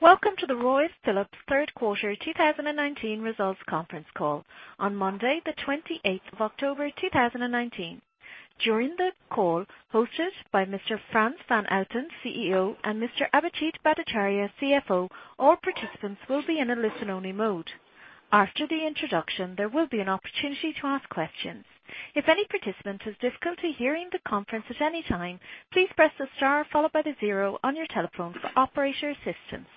Welcome to the Royal Philips third quarter 2019 results conference call on Monday, the 28th of October, 2019. During the call, hosted by Mr. Frans van Houten, CEO, and Mr. Abhijit Bhattacharya, CFO, all participants will be in a listen-only mode. After the introduction, there will be an opportunity to ask questions. If any participant has difficulty hearing the conference at any time, please press the star followed by the zero on your telephone for operator assistance.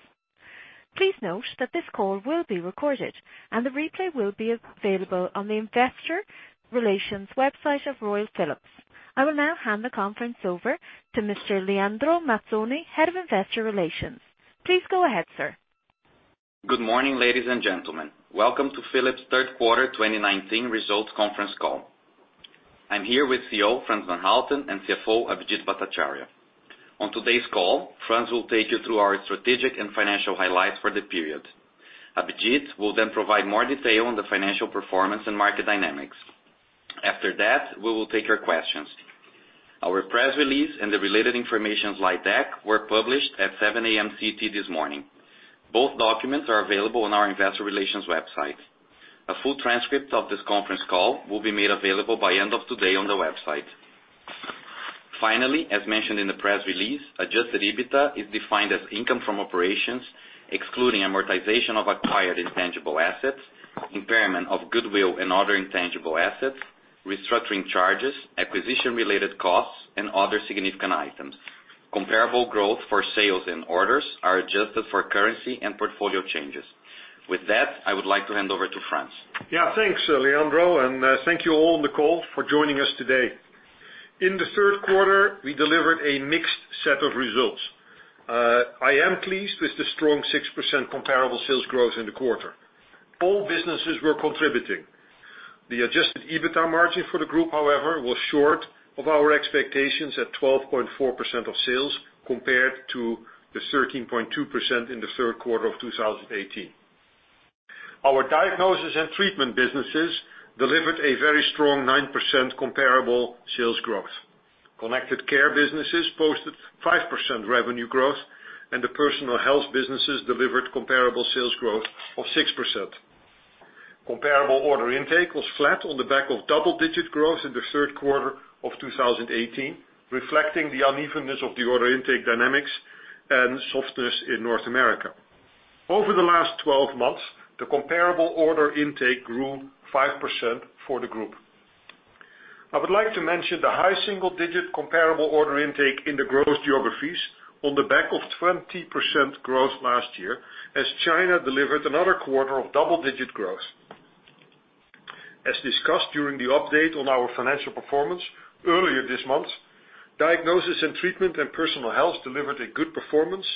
Please note that this call will be recorded and the replay will be available on the investor relations website of Royal Philips. I will now hand the conference over to Mr. Leandro Mazzone, Head of Investor Relations. Please go ahead, sir. Good morning, ladies and gentlemen. Welcome to Philips' third quarter 2019 results conference call. I'm here with CEO Frans van Houten and CFO Abhijit Bhattacharya. On today's call, Frans will take you through our strategic and financial highlights for the period. Abhijit will then provide more detail on the financial performance and market dynamics. After that, we will take your questions. Our press release and the related information slide deck were published at 7:00 A.M. CT this morning. Both documents are available on our investor relations website. A full transcript of this conference call will be made available by end of today on the website. As mentioned in the press release, adjusted EBITA is defined as income from operations, excluding amortization of acquired intangible assets, impairment of goodwill and other intangible assets, restructuring charges, acquisition-related costs, and other significant items. Comparable growth for sales and orders are adjusted for currency and portfolio changes. With that, I would like to hand over to Frans. Yeah. Thanks, Leandro, thank you all on the call for joining us today. In the third quarter, we delivered a mixed set of results. I am pleased with the strong 6% comparable sales growth in the quarter. All businesses were contributing. The adjusted EBITA margin for the group, however, was short of our expectations at 12.4% of sales compared to the 13.2% in the third quarter of 2018. Our diagnosis and treatment businesses delivered a very strong 9% comparable sales growth. Connected care businesses posted 5% revenue growth. The personal health businesses delivered comparable sales growth of 6%. Comparable order intake was flat on the back of double-digit growth in the third quarter of 2018, reflecting the unevenness of the order intake dynamics and softness in North America. Over the last 12 months, the comparable order intake grew 5% for the group. I would like to mention the high single-digit comparable order intake in the growth geographies on the back of 20% growth last year, as China delivered another quarter of double-digit growth. As discussed during the update on our financial performance earlier this month, Diagnosis and Treatment and Personal Health delivered a good performance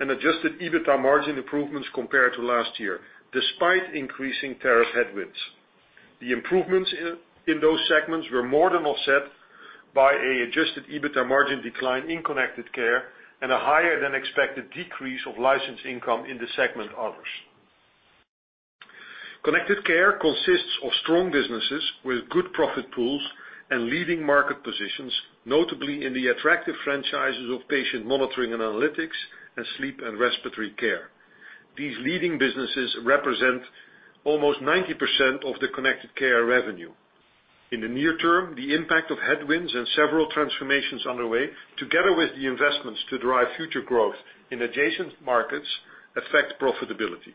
and adjusted EBITA margin improvements compared to last year, despite increasing tariff headwinds. The improvements in those segments were more than offset by an adjusted EBITA margin decline in Connected Care and a higher-than-expected decrease of licensed income in the Segment Others. Connected Care consists of strong businesses with good profit pools and leading market positions, notably in the attractive franchises of patient monitoring and analytics and sleep and respiratory care. These leading businesses represent almost 90% of the Connected Care revenue. In the near term, the impact of headwinds and several transformations underway, together with the investments to drive future growth in adjacent markets, affect profitability.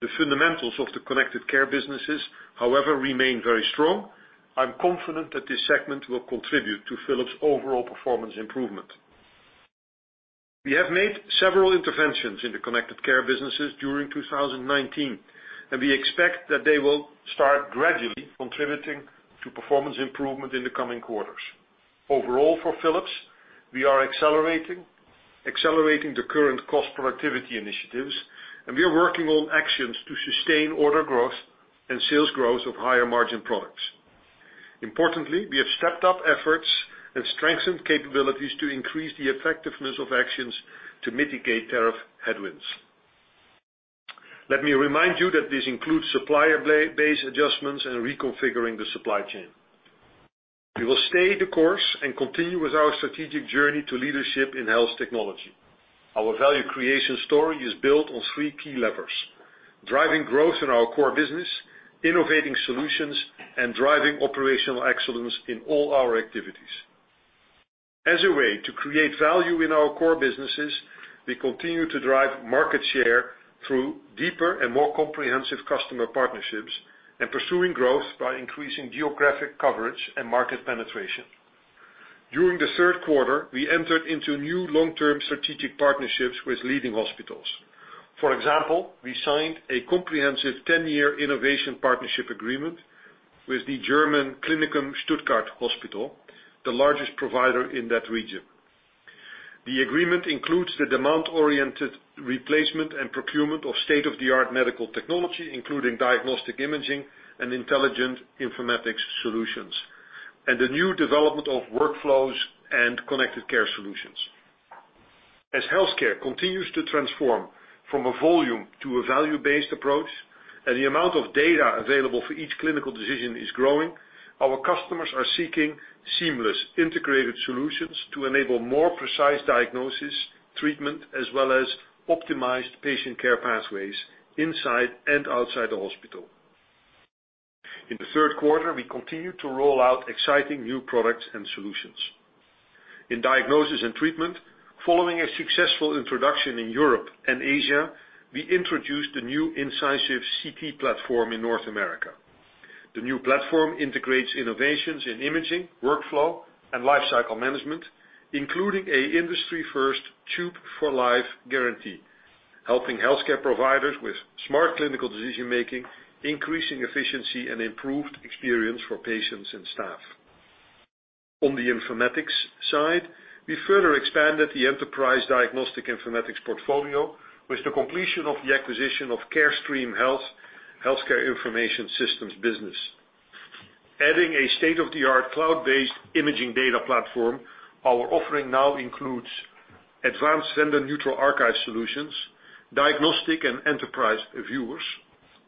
The fundamentals of the connected care businesses, however, remain very strong. I'm confident that this segment will contribute to Philips' overall performance improvement. We have made several interventions in the connected care businesses during 2019. We expect that they will start gradually contributing to performance improvement in the coming quarters. Overall for Philips, we are accelerating the current cost productivity initiatives. We are working on actions to sustain order growth and sales growth of higher margin products. Importantly, we have stepped up efforts and strengthened capabilities to increase the effectiveness of actions to mitigate tariff headwinds. Let me remind you that this includes supplier base adjustments and reconfiguring the supply chain. We will stay the course and continue with our strategic journey to leadership in health technology. Our value creation story is built on three key levers: driving growth in our core business, innovating solutions, and driving operational excellence in all our activities. As a way to create value in our core businesses, we continue to drive market share through deeper and more comprehensive customer partnerships and pursuing growth by increasing geographic coverage and market penetration. During the third quarter, we entered into new long-term strategic partnerships with leading hospitals. For example, we signed a comprehensive 10-year innovation partnership agreement with the German Klinikum Stuttgart, the largest provider in that region. The agreement includes the demand-oriented replacement and procurement of state-of-the-art medical technology, including diagnostic imaging and intelligent informatics solutions, and the new development of workflows and connected care solutions. As healthcare continues to transform from a volume to a value-based approach. The amount of data available for each clinical decision is growing. Our customers are seeking seamless, integrated solutions to enable more precise diagnosis, treatment, as well as optimized patient care pathways inside and outside the hospital. In the third quarter, we continued to roll out exciting new products and solutions. In diagnosis and treatment, following a successful introduction in Europe and Asia, we introduced the new Incisive CT platform in North America. The new platform integrates innovations in imaging, workflow, and lifecycle management, including a industry first tube for life guarantee, helping healthcare providers with smart clinical decision making, increasing efficiency, and improved experience for patients and staff. On the informatics side, we further expanded the enterprise diagnostic informatics portfolio with the completion of the acquisition of Carestream Health's healthcare information systems business. Adding a state-of-the-art cloud-based imaging data platform, our offering now includes advanced vendor-neutral archive solutions, diagnostic and enterprise viewers,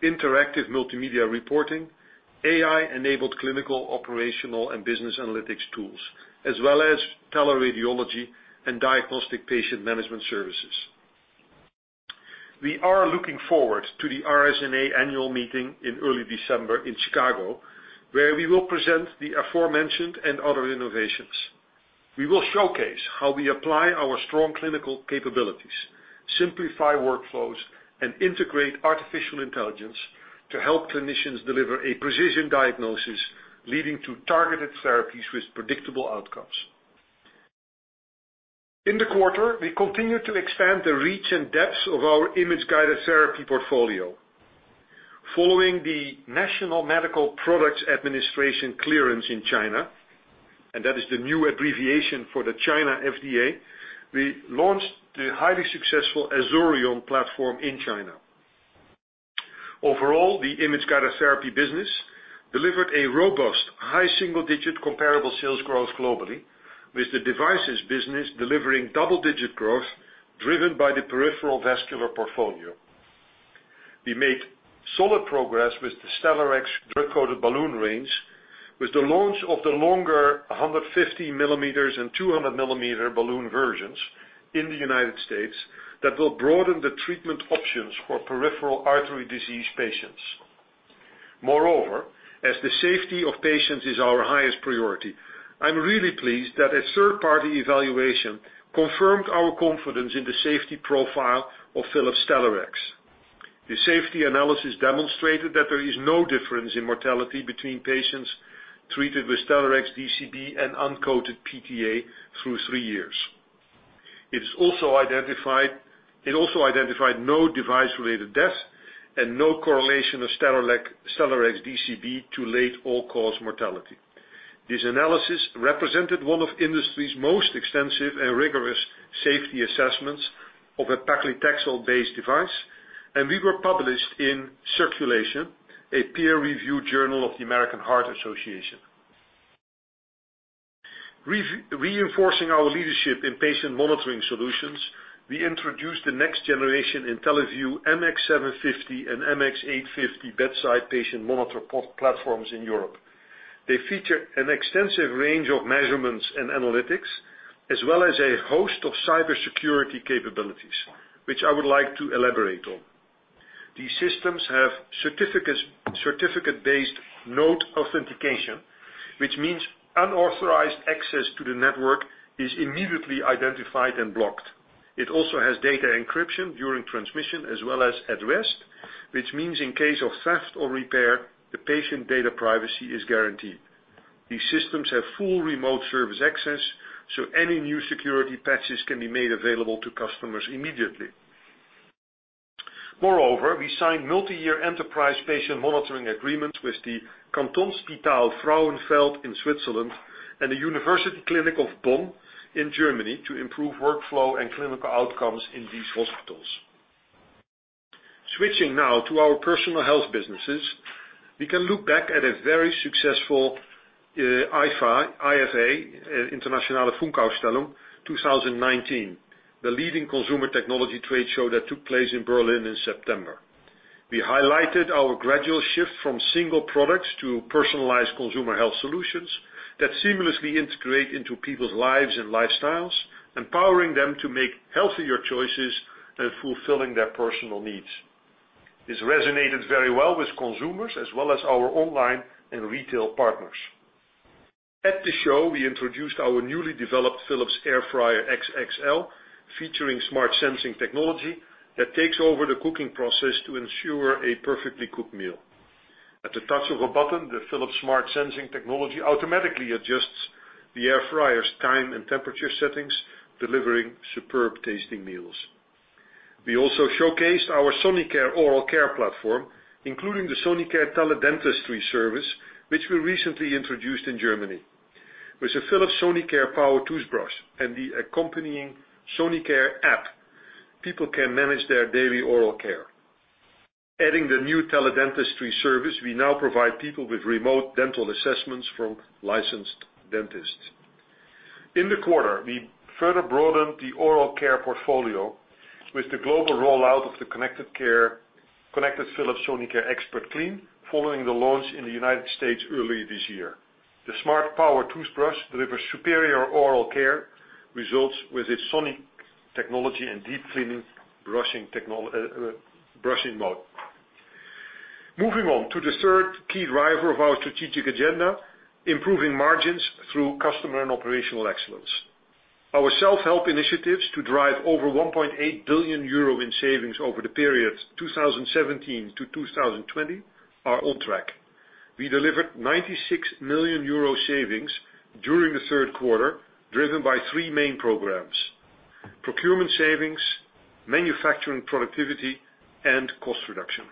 interactive multimedia reporting, AI-enabled clinical, operational, and business analytics tools, as well as teleradiology and diagnostic patient management services. We are looking forward to the RSNA annual meeting in early December in Chicago, where we will present the aforementioned and other innovations. We will showcase how we apply our strong clinical capabilities, simplify workflows, and integrate artificial intelligence to help clinicians deliver a precision diagnosis, leading to targeted therapies with predictable outcomes. In the quarter, we continued to expand the reach and depth of our image-guided therapy portfolio. Following the National Medical Products Administration clearance in China, and that is the new abbreviation for the China FDA, we launched the highly successful Azurion platform in China. Overall, the image-guided therapy business delivered a robust high single-digit comparable sales growth globally, with the devices business delivering double-digit growth driven by the peripheral vascular portfolio. We made solid progress with the Stellarex drug-coated balloon range, with the launch of the longer 150 millimeters and 200-millimeter balloon versions in the United States, that will broaden the treatment options for peripheral artery disease patients. Moreover, as the safety of patients is our highest priority, I'm really pleased that a third-party evaluation confirmed our confidence in the safety profile of Philips Stellarex. The safety analysis demonstrated that there is no difference in mortality between patients treated with Stellarex DCB and uncoated PTA through three years. It also identified no device-related death and no correlation of Stellarex DCB to late all-cause mortality. This analysis represented one of the industry's most extensive and rigorous safety assessments of a paclitaxel-based device, and we were published in Circulation, a peer-reviewed journal of the American Heart Association. Reinforcing our leadership in patient monitoring solutions, we introduced the next generation IntelliVue MX750 and MX850 bedside patient monitor platforms in Europe. They feature an extensive range of measurements and analytics, as well as a host of cybersecurity capabilities, which I would like to elaborate on. These systems have certificate-based node authentication, which means unauthorized access to the network is immediately identified and blocked. It also has data encryption during transmission as well as at rest, which means in case of theft or repair, the patient data privacy is guaranteed. These systems have full remote service access, so any new security patches can be made available to customers immediately. Moreover, we signed multi-year enterprise patient monitoring agreements with the Kantonsspital Frauenfeld in Switzerland and the University Hospital Bonn in Germany to improve workflow and clinical outcomes in these hospitals. Switching now to our personal health businesses, we can look back at a very successful IFA, Internationale Funkausstellung, 2019, the leading consumer technology trade show that took place in Berlin in September. We highlighted our gradual shift from single products to personalized consumer health solutions that seamlessly integrate into people's lives and lifestyles, empowering them to make healthier choices and fulfilling their personal needs. This resonated very well with consumers as well as our online and retail partners. At the show, we introduced our newly developed Philips Airfryer XXL, featuring smart sensing technology that takes over the cooking process to ensure a perfectly cooked meal. At the touch of a button, the Philips smart sensing technology automatically adjusts the Airfryer's time and temperature settings, delivering superb tasting meals. We also showcased our Sonicare oral care platform, including the Sonicare teledentistry service, which we recently introduced in Germany. With a Philips Sonicare power toothbrush and the accompanying Sonicare app, people can manage their daily oral care. Adding the new teledentistry service, we now provide people with remote dental assessments from licensed dentists. In the quarter, we further broadened the oral care portfolio with the global rollout of the connected Philips Sonicare ExpertClean, following the launch in the U.S. earlier this year. The smart power toothbrush delivers superior oral care results with its sonic technology and deep cleaning brushing mode. Moving on to the third key driver of our strategic agenda, improving margins through customer and operational excellence. Our self-help initiatives to drive over 1.8 billion euro in savings over the period 2017 to 2020 are on track. We delivered 96 million euro savings during the third quarter, driven by three main programs: Procurement savings, manufacturing productivity, and cost reduction.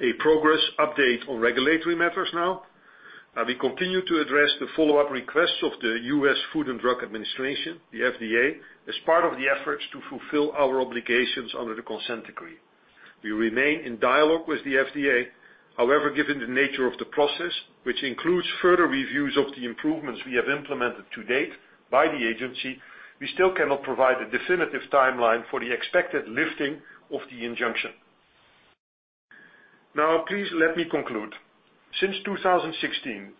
A progress update on regulatory matters now. We continue to address the follow-up requests of the U.S. Food and Drug Administration, the FDA, as part of the efforts to fulfill our obligations under the consent decree. We remain in dialogue with the FDA. Given the nature of the process, which includes further reviews of the improvements we have implemented to date by the agency, we still cannot provide a definitive timeline for the expected lifting of the injunction. Please let me conclude. Since 2016,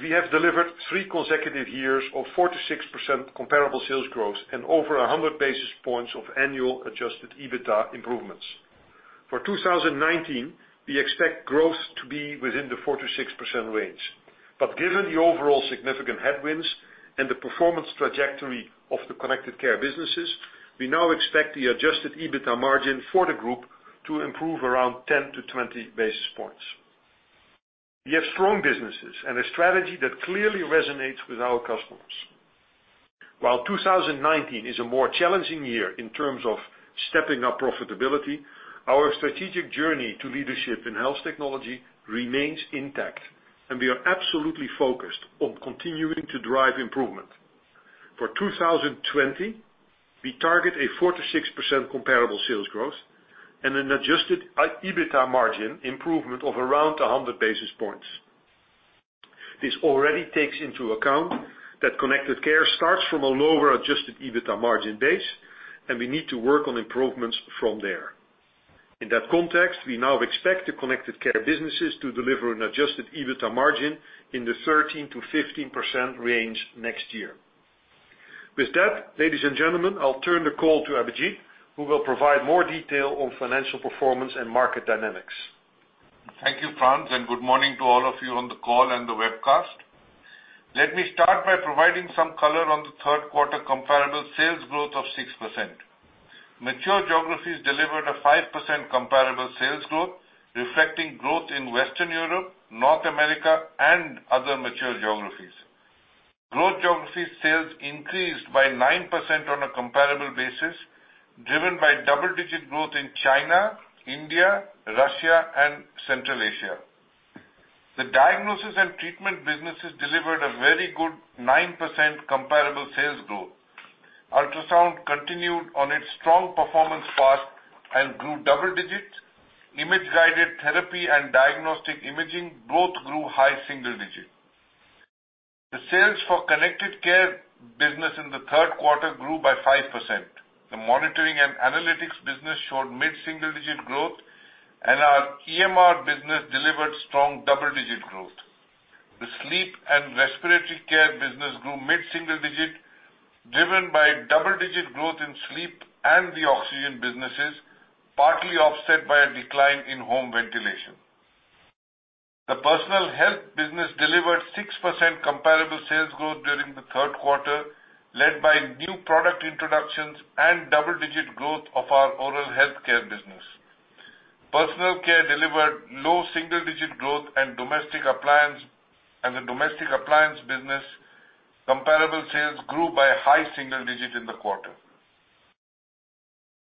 we have delivered three consecutive years of 4%-6% comparable sales growth and over 100 basis points of annual adjusted EBITA improvements. For 2019, we expect growth to be within the 4%-6% range. Given the overall significant headwinds and the performance trajectory of the connected care businesses, we now expect the adjusted EBITA margin for the group to improve around 10-20 basis points. We have strong businesses and a strategy that clearly resonates with our customers. While 2019 is a more challenging year in terms of stepping up profitability, our strategic journey to leadership in health technology remains intact, and we are absolutely focused on continuing to drive improvement. For 2020, we target a 4%-6% comparable sales growth and an adjusted EBITA margin improvement of around 100 basis points. This already takes into account that connected care starts from a lower adjusted EBITA margin base, and we need to work on improvements from there. In that context, we now expect the connected care businesses to deliver an adjusted EBITDA margin in the 13%-15% range next year. With that, ladies and gentlemen, I'll turn the call to Abhijit, who will provide more detail on financial performance and market dynamics. Thank you, Frans, and good morning to all of you on the call and the webcast. Let me start by providing some color on the third quarter comparable sales growth of 6%. Mature geographies delivered a 5% comparable sales growth, reflecting growth in Western Europe, North America, and other mature geographies. Growth geographies sales increased by 9% on a comparable basis, driven by double-digit growth in China, India, Russia, and Central Asia. The Diagnosis and Treatment businesses delivered a very good 9% comparable sales growth. Ultrasound continued on its strong performance path and grew double digits. Image-Guided Therapy and Diagnostic Imaging both grew high single digits. The sales for Connected Care business in the third quarter grew by 5%. The Monitoring and Analytics business showed mid-single-digit growth, and our EMR business delivered strong double-digit growth. The Sleep and Respiratory Care business grew mid-single digit, driven by double-digit growth in sleep and the oxygen businesses, partly offset by a decline in home ventilation. The Personal Health business delivered 6% comparable sales growth during the third quarter, led by new product introductions and double-digit growth of our Oral Health Care business. Personal Care delivered low single-digit growth, and the Domestic Appliance business comparable sales grew by high single digit in the quarter.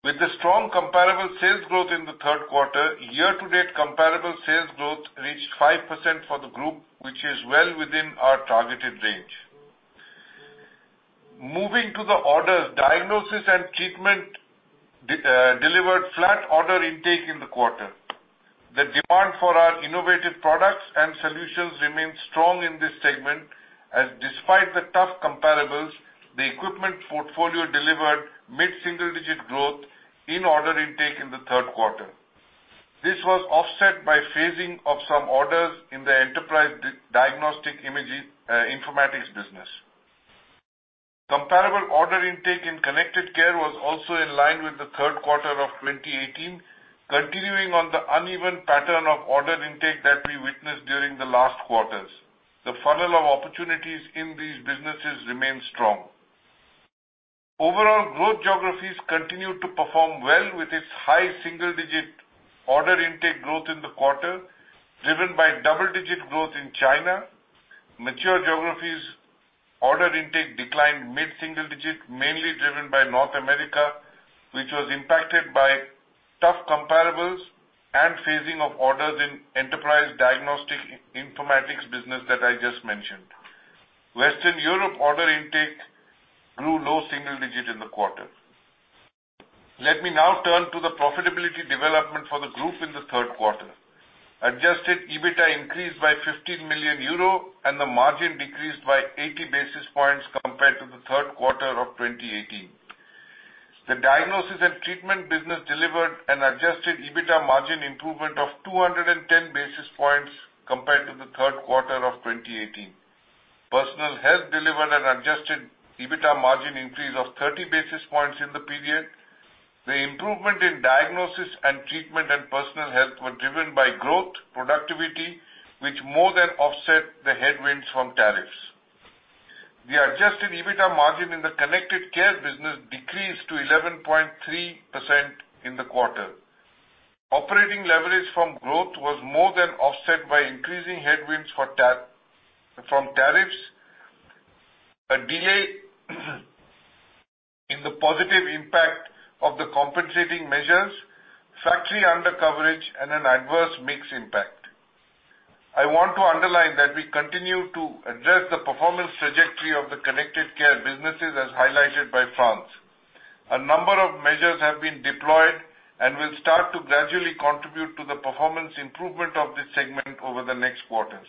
With the strong comparable sales growth in the third quarter, year-to-date comparable sales growth reached 5% for the group, which is well within our targeted range. Moving to the orders, Diagnosis and Treatment delivered flat order intake in the quarter. The demand for our innovative products and solutions remains strong in this segment, as despite the tough comparables, the equipment portfolio delivered mid-single-digit growth in order intake in the third quarter. This was offset by phasing of some orders in the enterprise diagnostic informatics business. Comparable order intake in connected care was also in line with the third quarter of 2018, continuing on the uneven pattern of order intake that we witnessed during the last quarters. The funnel of opportunities in these businesses remains strong. Overall, growth geographies continued to perform well with its high single-digit order intake growth in the quarter, driven by double-digit growth in China. Mature geographies order intake declined mid-single digit, mainly driven by North America, which was impacted by tough comparables and phasing of orders in enterprise diagnostic informatics business that I just mentioned. Western Europe order intake grew low single digit in the quarter. Let me now turn to the profitability development for the group in the third quarter. Adjusted EBITA increased by 15 million euro, and the margin decreased by 80 basis points compared to the third quarter of 2018. The Diagnosis and Treatment business delivered an adjusted EBITA margin improvement of 210 basis points compared to the third quarter of 2018. Personal Health delivered an adjusted EBITA margin increase of 30 basis points in the period. The improvement in Diagnosis and Treatment and Personal Health were driven by growth, productivity, which more than offset the headwinds from tariffs. The adjusted EBITA margin in the Connected Care business decreased to 11.3% in the quarter. Operating leverage from growth was more than offset by increasing headwinds from tariffs, a delay in the positive impact of the compensating measures, factory undercoverage, and an adverse mix impact. I want to underline that we continue to address the performance trajectory of the Connected Care businesses as highlighted by Frans. A number of measures have been deployed and will start to gradually contribute to the performance improvement of this segment over the next quarters.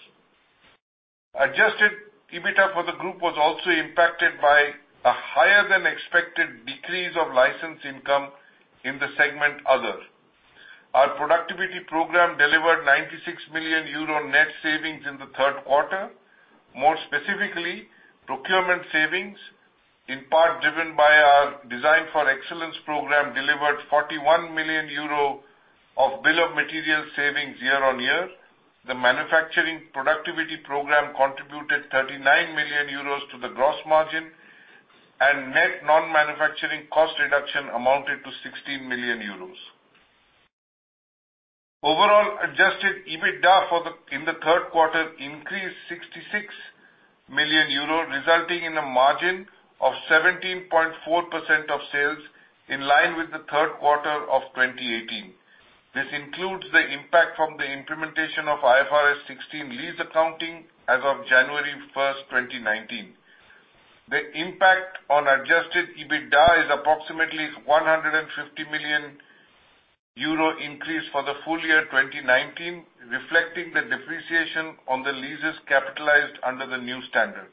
Adjusted EBITA for the group was also impacted by a higher-than-expected decrease of license income in the segment other. Our productivity program delivered 96 million euro net savings in the third quarter. More specifically, procurement savings, in part driven by our Design for Excellence program, delivered 41 million euro of bill of material savings year-on-year. The manufacturing productivity program contributed 39 million euros to the gross margin, and net non-manufacturing cost reduction amounted to 16 million euros. Overall, adjusted EBITA in the third quarter increased 66 million euro, resulting in a margin of 17.4% of sales in line with the third quarter of 2018. This includes the impact from the implementation of IFRS 16 lease accounting as of January 1st, 2019. The impact on adjusted EBITA is approximately 150 million euro increase for the full year 2019, reflecting the depreciation on the leases capitalized under the new standard.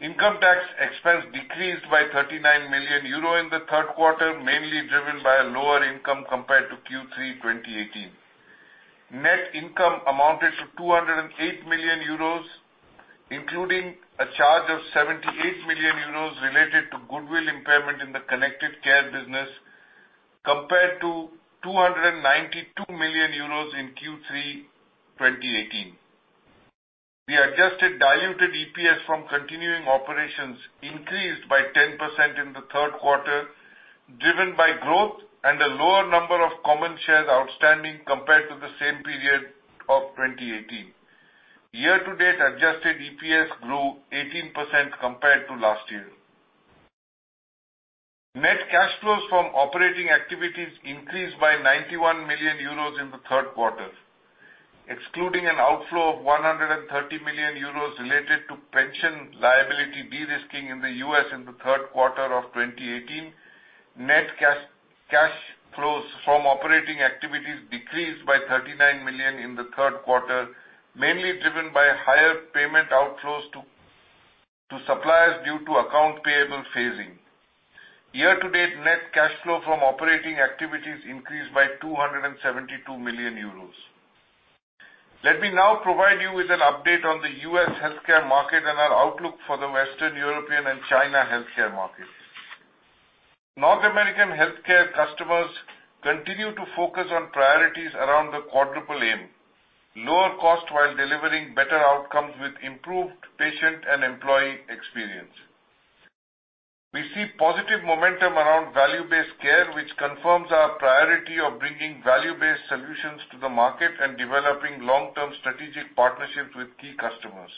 Income tax expense decreased by 39 million euro in the third quarter, mainly driven by a lower income compared to Q3 2018. Net income amounted to 208 million euros, including a charge of 78 million euros related to goodwill impairment in the Connected Care business, compared to 292 million euros in Q3 2018. The adjusted diluted EPS from continuing operations increased by 10% in the third quarter, driven by growth and a lower number of common shares outstanding compared to the same period of 2018. Year-to-date adjusted EPS grew 18% compared to last year. Net cash flows from operating activities increased by 91 million euros in the third quarter. Excluding an outflow of 130 million euros related to pension liability de-risking in the U.S. in the third quarter of 2018, net cash flows from operating activities decreased by 39 million in the third quarter, mainly driven by higher payment outflows to suppliers due to account payable phasing. Year-to-date net cash flow from operating activities increased by 272 million euros. Let me now provide you with an update on the U.S. healthcare market and our outlook for the Western European and China healthcare markets. North American healthcare customers continue to focus on priorities around the quadruple aim. Lower cost while delivering better outcomes with improved patient and employee experience. We see positive momentum around value-based care, which confirms our priority of bringing value-based solutions to the market and developing long-term strategic partnerships with key customers.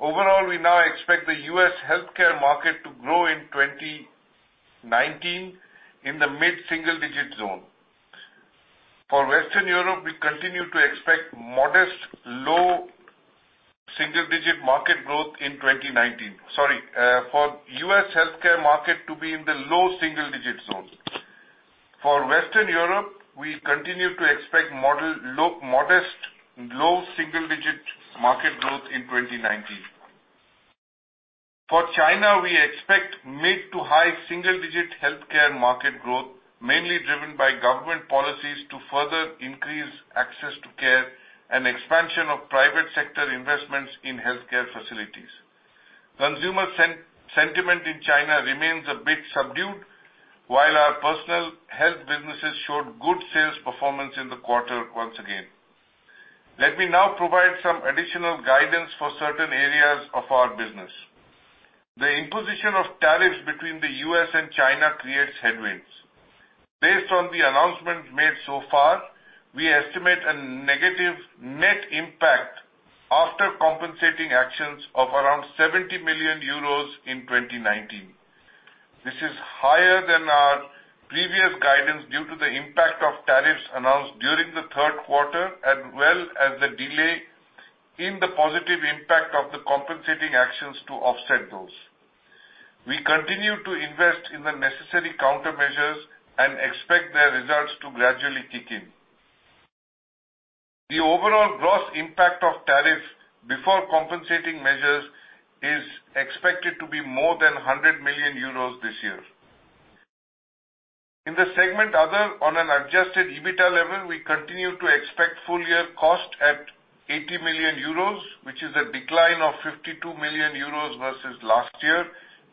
Overall, we now expect the U.S. healthcare market to grow in 2019 in the mid-single digit zone. For Western Europe, we continue to expect modest low single-digit market growth in 2019. Sorry. For U.S. healthcare market to be in the low single-digit zone. For Western Europe, we continue to expect modest low single-digit market growth in 2019. For China, we expect mid to high single-digit healthcare market growth, mainly driven by government policies to further increase access to care and expansion of private sector investments in healthcare facilities. Consumer sentiment in China remains a bit subdued, while our personal health businesses showed good sales performance in the quarter once again. Let me now provide some additional guidance for certain areas of our business. The imposition of tariffs between the U.S. and China creates headwinds. Based on the announcements made so far, we estimate a negative net impact after compensating actions of around 70 million euros in 2019. This is higher than our previous guidance due to the impact of tariffs announced during the third quarter, as well as the delay in the positive impact of the compensating actions to offset those. We continue to invest in the necessary countermeasures and expect their results to gradually kick in. The overall gross impact of tariff before compensating measures is expected to be more than 100 million euros this year. In the segment, other, on an adjusted EBITA level, we continue to expect full-year cost at 80 million euros, which is a decline of 52 million euros versus last year,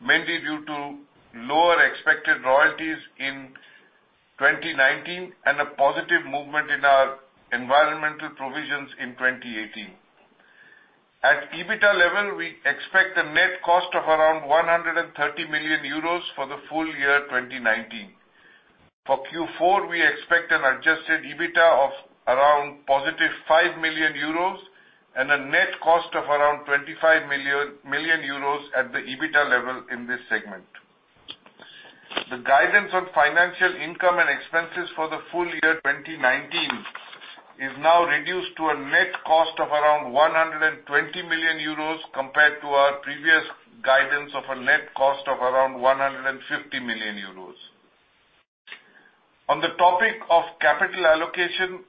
mainly due to lower expected royalties in 2019 and a positive movement in our environmental provisions in 2018. At EBITA level, we expect a net cost of around 130 million euros for the full year 2019. For Q4, we expect an adjusted EBITA of around positive 5 million euros and a net cost of around 25 million euros at the EBITA level in this segment. The guidance on financial income and expenses for the full year 2019 is now reduced to a net cost of around 120 million euros compared to our previous guidance of a net cost of around 150 million euros. On the topic of capital allocation,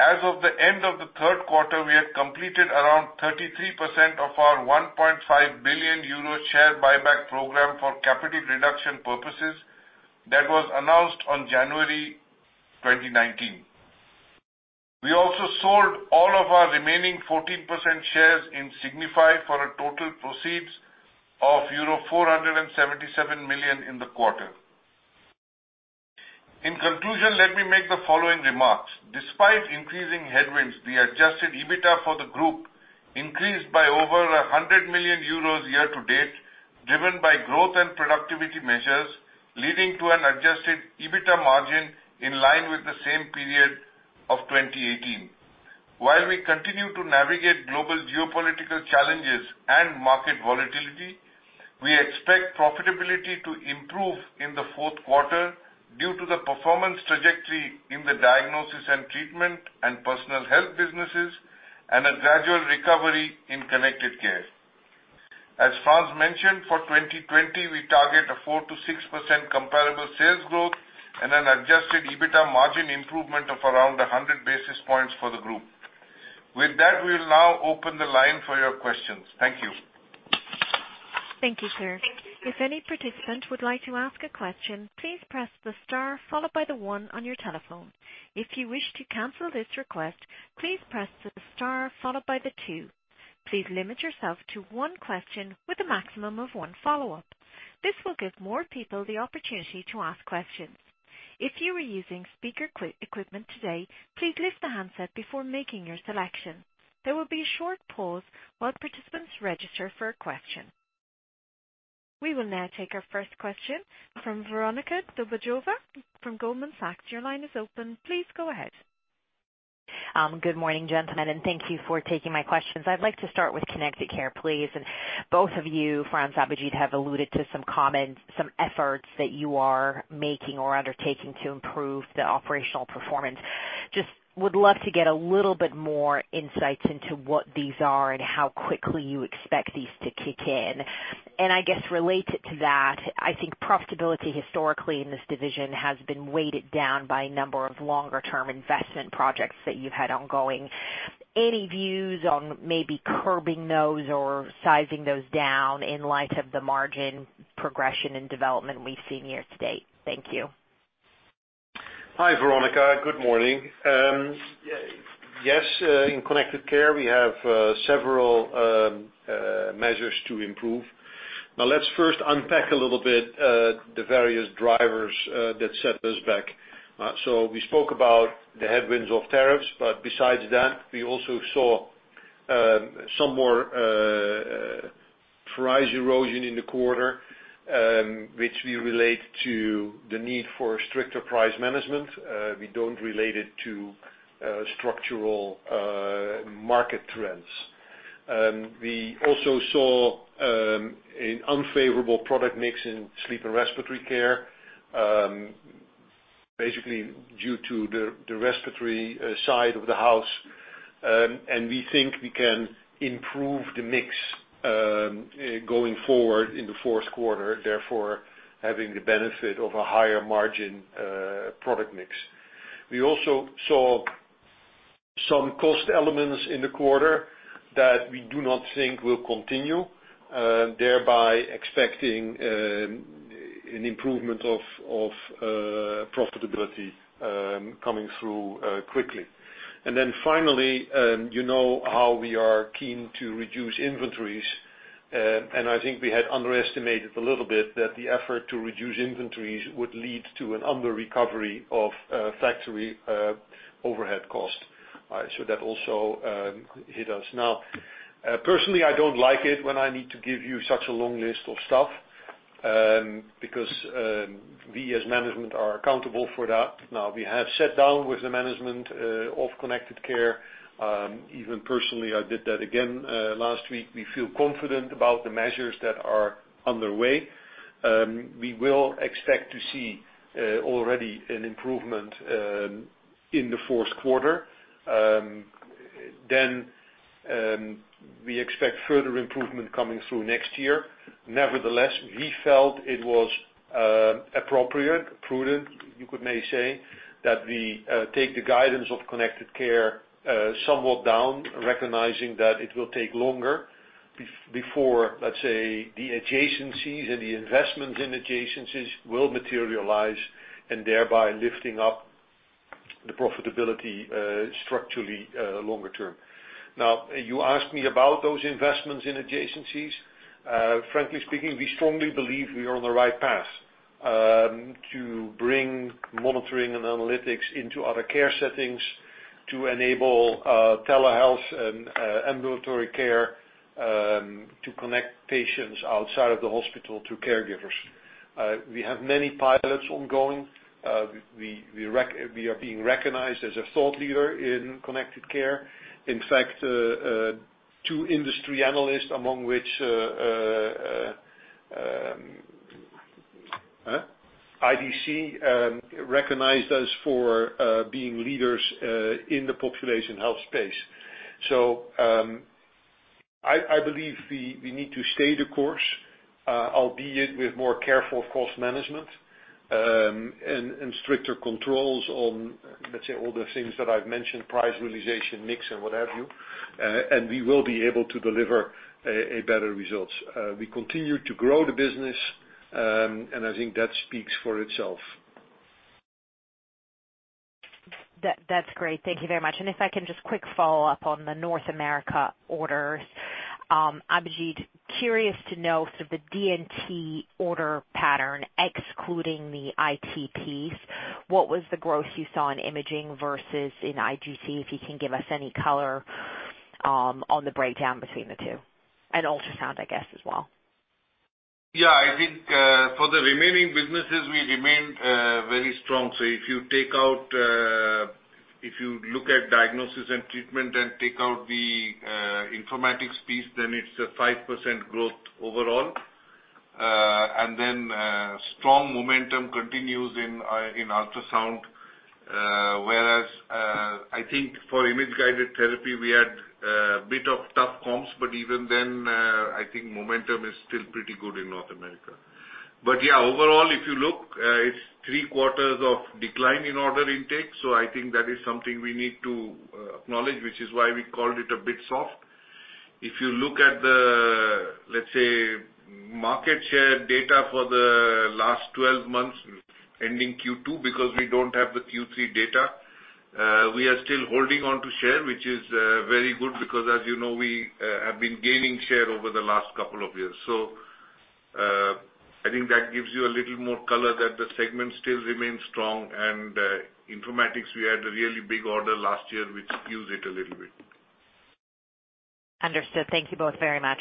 as of the end of the third quarter, we had completed around 33% of our 1.5 billion euro share buyback program for capital reduction purposes that was announced on January 2019. We also sold all of our remaining 14% shares in Signify for a total proceeds of euro 477 million in the quarter. In conclusion, let me make the following remarks. Despite increasing headwinds, the adjusted EBITA for the group increased by over 100 million euros year to date, driven by growth and productivity measures, leading to an adjusted EBITA margin in line with the same period of 2018. While we continue to navigate global geopolitical challenges and market volatility, we expect profitability to improve in the fourth quarter due to the performance trajectory in the Diagnosis and Treatment and Personal Health businesses and a gradual recovery in Connected Care. As Frans mentioned, for 2020, we target a 4%-6% comparable sales growth and an adjusted EBITA margin improvement of around 100 basis points for the group. With that, we will now open the line for your questions. Thank you. Thank you, sir. If any participant would like to ask a question, please press the star followed by the one on your telephone. If you wish to cancel this request, please press the star followed by the two. Please limit yourself to one question with a maximum of one follow-up. This will give more people the opportunity to ask questions. If you are using speaker equipment today, please lift the handset before making your selection. There will be a short pause while participants register for a question. We will now take our first question from Veronika Dubajova, from Goldman Sachs. Your line is open. Please go ahead. Good morning, gentlemen, and thank you for taking my questions. I'd like to start with Connected Care, please. Both of you, Frans, Abhijit, have alluded to some comments, some efforts that you are making or undertaking to improve the operational performance. Just would love to get a little bit more insights into what these are and how quickly you expect these to kick in. I guess related to that, I think profitability historically in this division has been weighted down by a number of longer-term investment projects that you've had ongoing. Any views on maybe curbing those or sizing those down in light of the margin progression and development we've seen year to date? Thank you. Hi, Veronika. Good morning. Yes, in Connected Care, we have several measures to improve. Let's first unpack a little bit, the various drivers that set us back. We spoke about the headwinds of tariffs, but besides that, we also saw some more price erosion in the quarter, which we relate to the need for stricter price management. We don't relate it to structural market trends. We also saw an unfavorable product mix in Sleep and Respiratory Care, basically due to the respiratory side of the house, and we think we can improve the mix, going forward in the fourth quarter, therefore, having the benefit of a higher margin product mix. We also saw some cost elements in the quarter that we do not think will continue, thereby expecting an improvement of profitability coming through quickly. Finally, you know how we are keen to reduce inventories, I think we had underestimated a little bit that the effort to reduce inventories would lead to an under recovery of factory overhead cost. That also hit us. Now, personally, I don't like it when I need to give you such a long list of stuff, because we as management are accountable for that. Now, we have sat down with the management of Connected Care. Even personally, I did that again, last week. We feel confident about the measures that are underway. We will expect to see already an improvement in the fourth quarter. We expect further improvement coming through next year. Nevertheless, we felt it was appropriate, prudent, you could maybe say, that we take the guidance of Connected Care somewhat down, recognizing that it will take longer before, let's say, the adjacencies and the investments in adjacencies will materialize and thereby lifting up the profitability structurally longer term. Now, you asked me about those investments in adjacencies. Frankly speaking, we strongly believe we are on the right path to bring monitoring and analytics into other care settings to enable telehealth and ambulatory care to connect patients outside of the hospital to caregivers. We have many pilots ongoing. We are being recognized as a thought leader in Connected Care. In fact, two industry analysts, among which, IDC, recognized us for being leaders in the population health space. I believe we need to stay the course, albeit with more careful cost management, and stricter controls on, let's say, all the things that I've mentioned, price realization, mix and what have you, and we will be able to deliver better results. We continue to grow the business, and I think that speaks for itself. That's great. Thank you very much. If I can just quick follow-up on the North America orders. Abhijit, curious to know sort of the DNT order pattern excluding the ITPs. What was the growth you saw in imaging versus in IGT? If you can give us any color on the breakdown between the two, and ultrasound, I guess, as well. Yeah. I think, for the remaining businesses, we remain very strong. If you look at diagnosis and treatment and take out the informatics piece, then it's a 5% growth overall. Strong momentum continues in ultrasound. I think for image-guided therapy, we had a bit of tough comps, but even then, I think momentum is still pretty good in North America. Yeah, overall, if you look, it's three quarters of decline in order intake. I think that is something we need to acknowledge, which is why we called it a bit soft. If you look at the, let's say, market share data for the last 12 months ending Q2, because we don't have the Q3 data, we are still holding on to share, which is very good because, as you know, we have been gaining share over the last couple of years. I think that gives you a little more color that the segment still remains strong. Informatics, we had a really big order last year, which skewed it a little bit. Understood. Thank you both very much.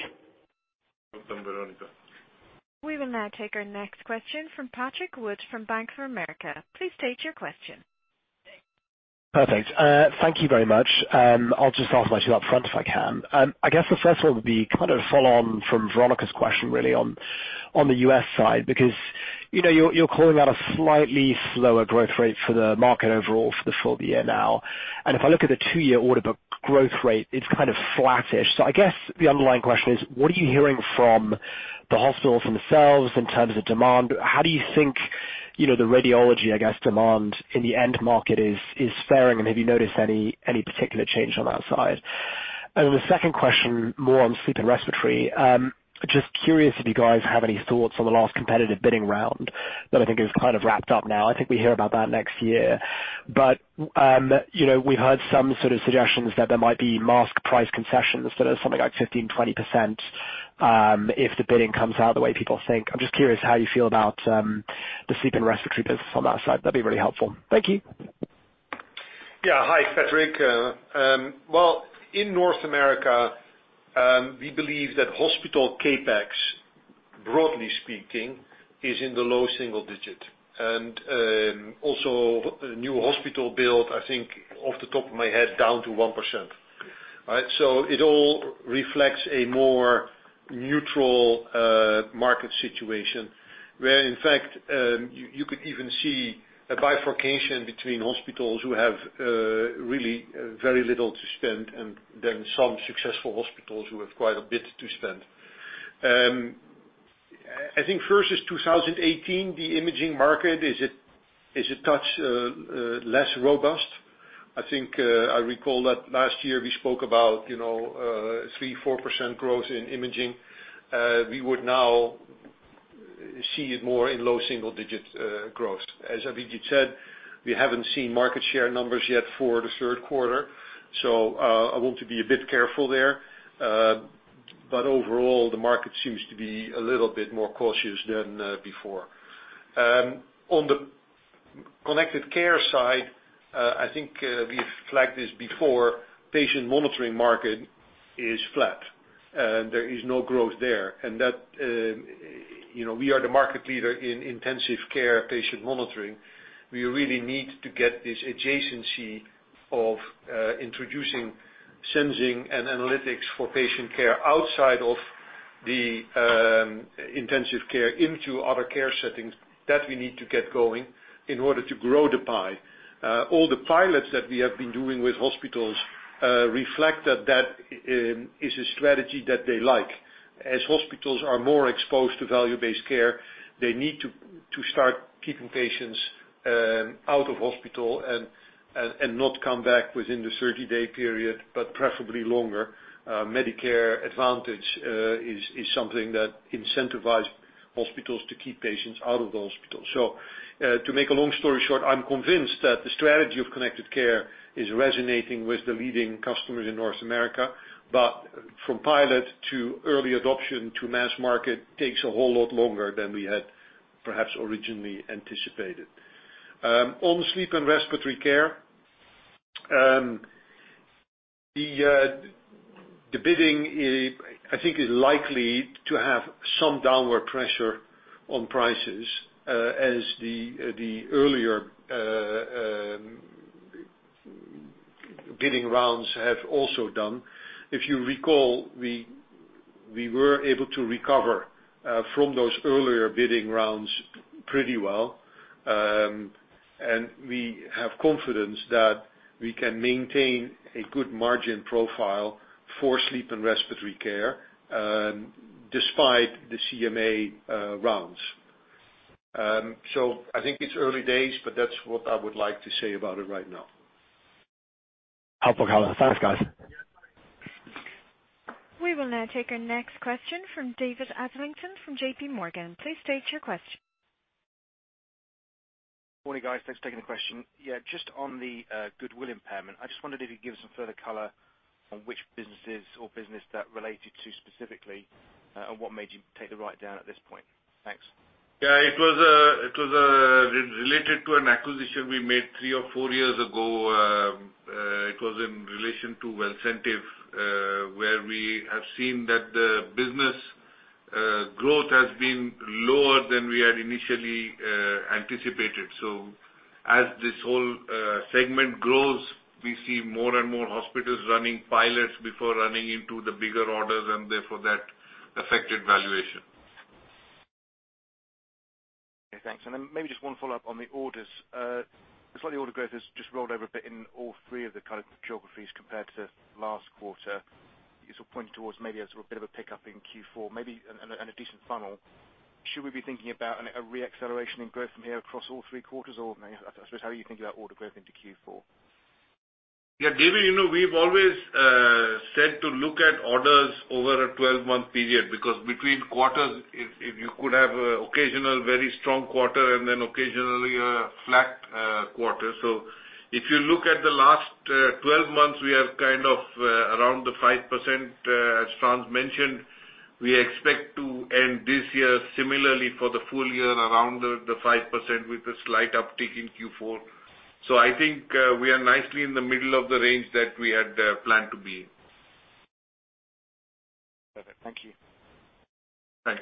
Welcome, Veronika. We will now take our next question from Patrick Wood from Bank of America. Please state your question. Perfect. Thank you very much. I'll just ask my two up front if I can. I guess the first one would be kind of follow on from Veronika's question really on the U.S. side, because you're calling out a slightly slower growth rate for the market overall for the full year now. If I look at the two-year order book growth rate, it's kind of flattish. I guess the underlying question is, what are you hearing from the hospitals themselves in terms of demand? How do you think the radiology, I guess, demand in the end market is faring, and have you noticed any particular change on that side? The second question, more on sleep and respiratory. Just curious if you guys have any thoughts on the last competitive bidding round that I think is kind of wrapped up now. I think we hear about that next year. We've heard some sort of suggestions that there might be mask price concessions that are something like 15%-20%, if the bidding comes out the way people think. I'm just curious how you feel about the sleep and respiratory business on that side. That'd be really helpful. Thank you. Yeah. Hi, Patrick. Well, in North America, we believe that hospital CapEx, broadly speaking, is in the low single digit. Also new hospital build, I think, off the top of my head, down to 1%. It all reflects a more neutral market situation, where in fact, you could even see a bifurcation between hospitals who have really very little to spend and then some successful hospitals who have quite a bit to spend. I think versus 2018, the imaging market is a touch less robust. I think I recall that last year we spoke about 3, 4% growth in imaging. We would now see it more in low single digits growth. As Abhijit said, we haven't seen market share numbers yet for the third quarter, I want to be a bit careful there. Overall, the market seems to be a little bit more cautious than before. On the connected care side, I think we've flagged this before. Patient monitoring market is flat. There is no growth there. We are the market leader in intensive care patient monitoring. We really need to get this adjacency of introducing sensing and analytics for patient care outside of the intensive care into other care settings that we need to get going in order to grow the pie. All the pilots that we have been doing with hospitals reflect that is a strategy that they like. As hospitals are more exposed to value-based care, they need to start keeping patients out of hospital and not come back within the 30-day period, but preferably longer. Medicare Advantage is something that incentivize hospitals to keep patients out of the hospital. To make a long story short, I'm convinced that the strategy of connected care is resonating with the leading customers in North America. From pilot to early adoption to mass market takes a whole lot longer than we had perhaps originally anticipated. On sleep and respiratory care. The bidding, I think is likely to have some downward pressure on prices, as the earlier bidding rounds have also done. If you recall, we were able to recover from those earlier bidding rounds pretty well. We have confidence that we can maintain a good margin profile for sleep and respiratory care despite the CMS rounds. I think it's early days, but that's what I would like to say about it right now. helpful color. Thanks, guys. We will now take our next question from David Adlington from JPMorgan. Please state your question. Morning, guys. Thanks for taking the question. Yeah, just on the goodwill impairment, I just wondered if you could give some further color on which businesses or business that related to specifically, and what made you take the write-down at this point. Thanks. Yeah, it was related to an acquisition we made three or four years ago. It was in relation to Wellcentive, where we have seen that the business growth has been lower than we had initially anticipated. As this whole segment grows, we see more and more hospitals running pilots before running into the bigger orders, and therefore that affected valuation. Okay, thanks. Maybe just one follow-up on the orders. It's like the order growth has just rolled over a bit in all three of the kind of geographies compared to last quarter. You sort of pointed towards maybe a sort of a bit of a pickup in Q4, maybe and a decent funnel. Should we be thinking about a re-acceleration in growth from here across all three quarters? How are you thinking about order growth into Q4? Yeah, David, we've always said to look at orders over a 12-month period, because between quarters, if you could have occasional, very strong quarter and then occasionally a flat quarter. If you look at the last 12 months, we have kind of around the 5%, as Frans mentioned. We expect to end this year similarly for the full year around the 5% with a slight uptick in Q4. I think we are nicely in the middle of the range that we had planned to be. Perfect. Thank you. Thanks.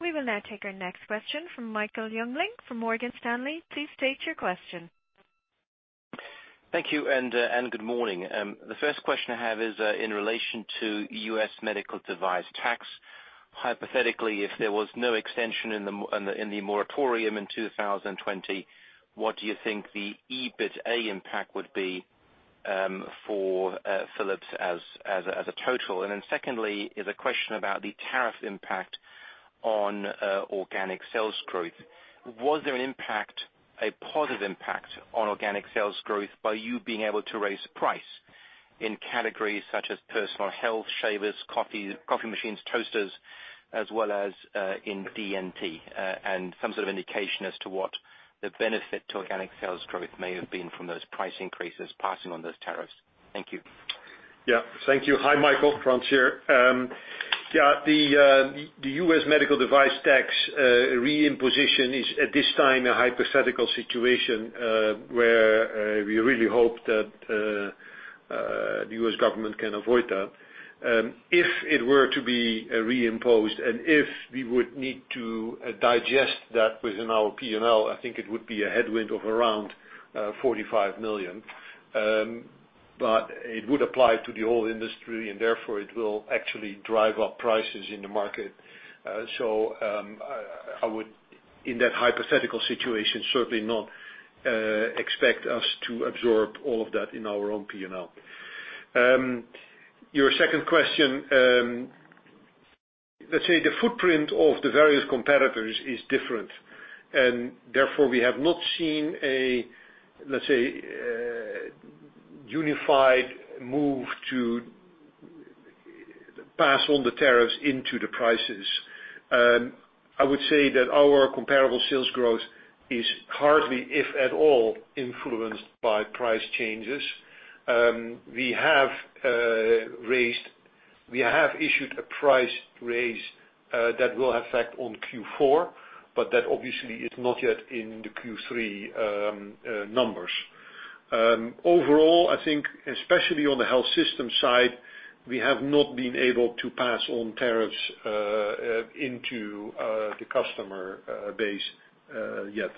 We will now take our next question from Michael Jüngling from Morgan Stanley. Please state your question. Thank you. Good morning. The first question I have is in relation to U.S. medical device tax. Hypothetically, if there was no extension in the moratorium in 2020, what do you think the EBITA impact would be for Philips as a total? Secondly, is a question about the tariff impact on organic sales growth. Was there an impact, a positive impact on organic sales growth by you being able to raise price in categories such as personal health, shavers, coffee machines, toasters, as well as in DNT? Some sort of indication as to what the benefit to organic sales growth may have been from those price increases passing on those tariffs. Thank you. Thank you. Hi, Michael. Frans here. The U.S. medical device tax re-imposition is at this time a hypothetical situation, where we really hope that the U.S. government can avoid that. If it were to be re-imposed and if we would need to digest that within our P&L, I think it would be a headwind of around 45 million. It would apply to the whole industry, therefore, it will actually drive up prices in the market. I would, in that hypothetical situation, certainly not expect us to absorb all of that in our own P&L. Your second question. Let's say the footprint of the various competitors is different, therefore we have not seen a, let's say, unified move to pass on the tariffs into the prices. I would say that our comparable sales growth is hardly, if at all, influenced by price changes. We have issued a price raise that will affect on Q4, but that obviously is not yet in the Q3 numbers. Overall, I think especially on the Health Systems side, we have not been able to pass on tariffs into the customer base yet.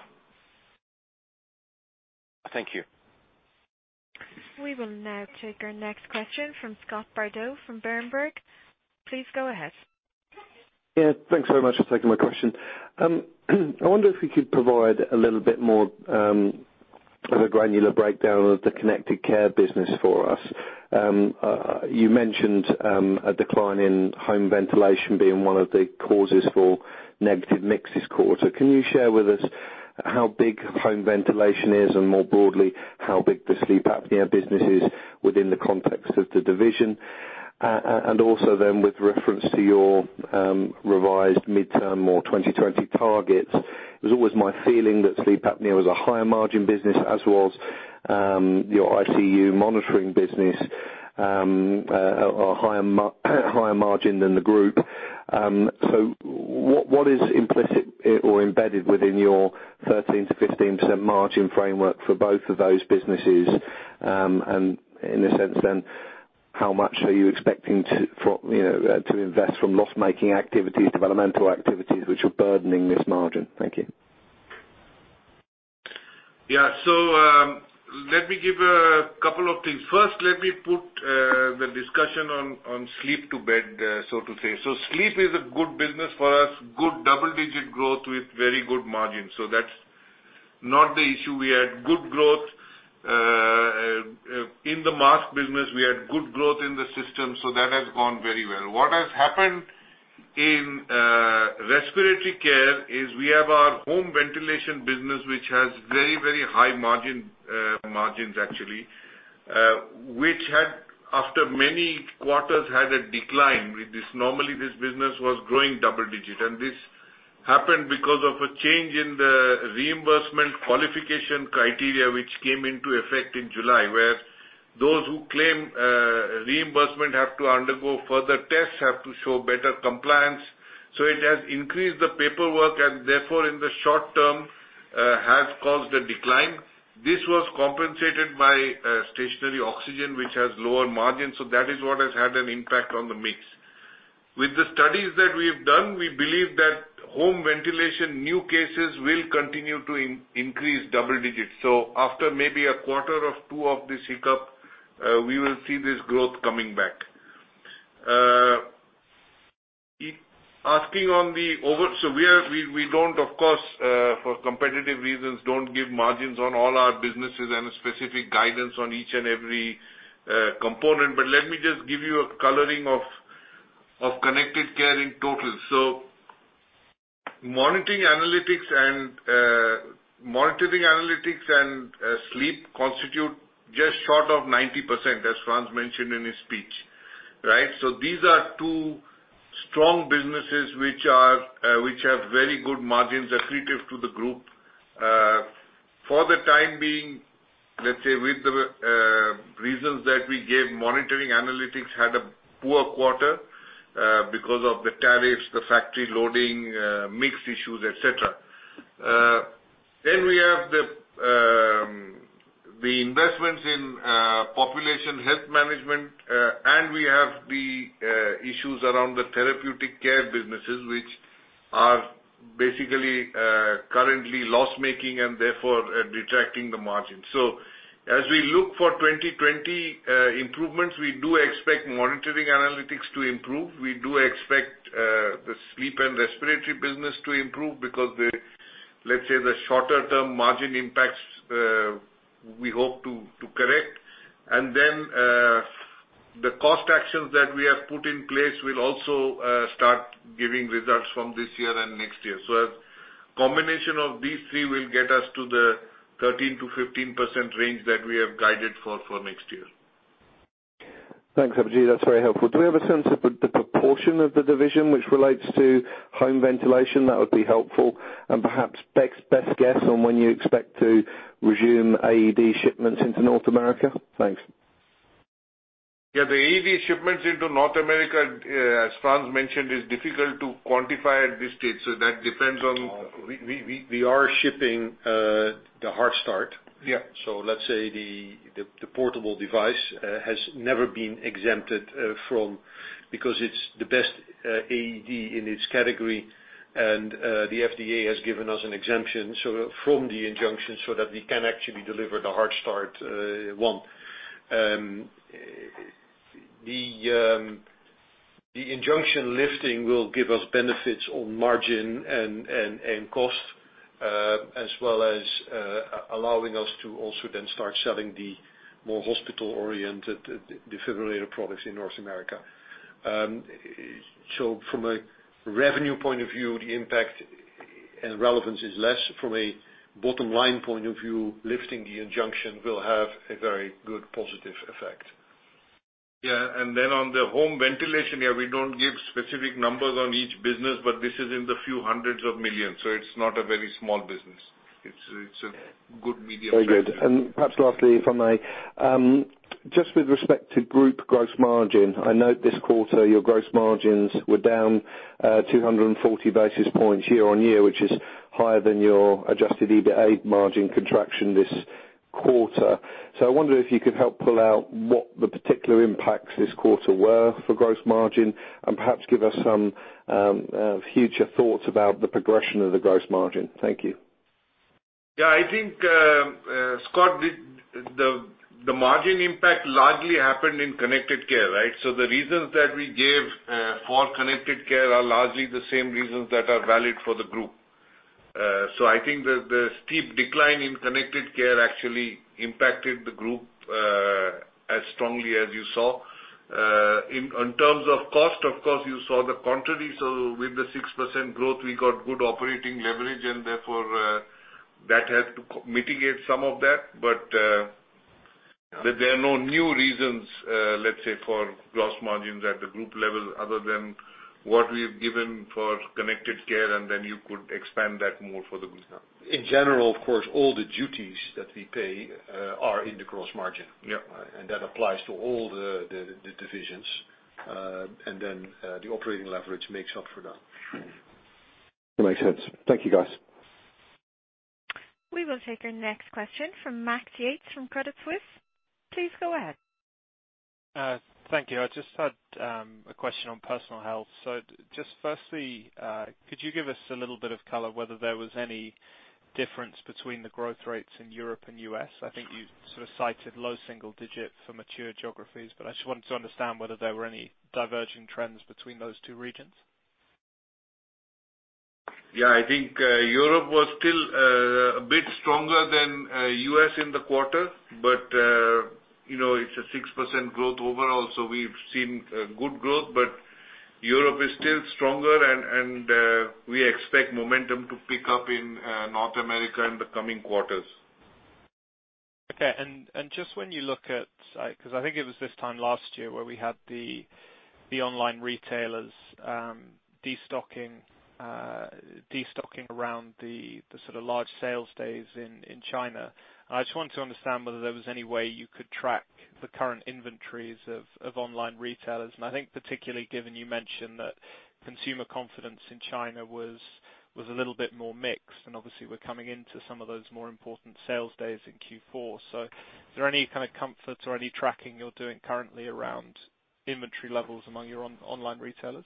Thank you. We will now take our next question from Scott Bardo from Berenberg. Please go ahead. Yeah. Thanks very much for taking my question. I wonder if we could provide a little bit more of a granular breakdown of the connected care business for us. You mentioned a decline in home ventilation being one of the causes for negative mix this quarter. Can you share with us how big home ventilation is, and more broadly, how big the sleep apnea business is within the context of the division? With reference to your revised midterm or 2020 targets, it was always my feeling that sleep apnea was a higher margin business, as was your ICU monitoring business, a higher margin than the group. What is implicit or embedded within your 13%-15% margin framework for both of those businesses? How much are you expecting to invest from loss-making activities, developmental activities which are burdening this margin? Thank you. Yeah. Let me give a couple of things. First, let me put the discussion on sleep to bed, so to say. Sleep is a good business for us. Good double-digit growth with very good margins. That's not the issue. We had good growth in the mask business, we had good growth in the system, that has gone very well. What has happened in respiratory care is we have our home ventilation business, which has very high margins, actually, which after many quarters, had a decline with this. Normally this business was growing double digits, and this happened because of a change in the reimbursement qualification criteria which came into effect in July, where those who claim reimbursement have to undergo further tests, have to show better compliance. It has increased the paperwork and therefore in the short term, has caused a decline. This was compensated by stationary oxygen, which has lower margins. That is what has had an impact on the mix. With the studies that we've done, we believe that home ventilation new cases will continue to increase double digits. After maybe a quarter or two of this hiccup, we will see this growth coming back. We don't, of course, for competitive reasons, give margins on all our businesses and a specific guidance on each and every component. Let me just give you a coloring of Connected Care in total. Monitoring analytics and sleep constitute just short of 90%, as Frans mentioned in his speech. Right? These are two strong businesses which have very good margins, accretive to the group. For the time being, let's say with the reasons that we gave, monitoring analytics had a poor quarter, because of the tariffs, the factory loading, mix issues, et cetera. We have the investments in population health management, and we have the issues around the therapeutic care businesses, which are basically, currently loss-making and therefore, detracting the margin. As we look for 2020 improvements, we do expect monitoring analytics to improve. We do expect the sleep and respiratory business to improve because, let's say the shorter-term margin impacts, we hope to correct. The cost actions that we have put in place will also start giving results from this year and next year. A combination of these three will get us to the 13%-15% range that we have guided for next year. Thanks, Abhijit. That's very helpful. Do we have a sense of the proportion of the division which relates to home ventilation? That would be helpful. Perhaps best guess on when you expect to resume AED shipments into North America. Thanks. Yeah. The AED shipments into North America, as Frans mentioned, is difficult to quantify at this stage. That depends on- We are shipping the HeartStart. Yeah. Let's say the portable device has never been exempted, because it's the best AED in its category, and the FDA has given us an exemption from the injunction so that we can actually deliver the HeartStart I. The injunction lifting will give us benefits on margin and cost, as well as allowing us to also then start selling the more hospital-oriented defibrillator products in North America. From a revenue point of view, the impact and relevance is less. From a bottom-line point of view, lifting the injunction will have a very good, positive effect. Yeah. On the home ventilation, yeah, we don't give specific numbers on each business, but this is in the few hundreds of millions EUR. It's not a very small business. It's a good medium business. Very good. Perhaps lastly, if I may. Just with respect to group gross margin, I note this quarter your gross margins were down 240 basis points year-on-year, which is higher than your Adjusted EBITA margin contraction this quarter. I wonder if you could help pull out what the particular impacts this quarter were for gross margin, and perhaps give us some future thoughts about the progression of the gross margin. Thank you. Yeah, I think, Scott, the margin impact largely happened in Connected Care, right? The reasons that we gave for Connected Care are largely the same reasons that are valid for the group. I think the steep decline in Connected Care actually impacted the group, as strongly as you saw. In terms of cost, of course, you saw the contrary. With the 6% growth, we got good operating leverage and therefore, that helped to mitigate some of that. There are no new reasons, let's say, for gross margins at the group level other than what we have given for Connected Care, and then you could expand that more for the group now. In general, of course, all the duties that we pay are in the gross margin. Yeah. That applies to all the divisions. Then the operating leverage makes up for that. That makes sense. Thank you, guys. We will take our next question from Max Yates from Credit Suisse. Please go ahead. Thank you. I just had a question on Personal Health. Just firstly, could you give us a little bit of color whether there was any difference between the growth rates in Europe and U.S.? I think you sort of cited low single digit for mature geographies, but I just wanted to understand whether there were any diverging trends between those two regions. I think Europe was still a bit stronger than U.S. in the quarter, but it's a 6% growth overall, so we've seen good growth, but Europe is still stronger and we expect momentum to pick up in North America in the coming quarters. Okay. Just when you look at, because I think it was this time last year where we had the online retailers, de-stocking around the sort of large sales days in China. I just wanted to understand whether there was any way you could track the current inventories of online retailers. I think particularly given you mentioned that consumer confidence in China was a little bit more mixed, and obviously we're coming into some of those more important sales days in Q4. Is there any kind of comfort or any tracking you're doing currently around inventory levels among your online retailers?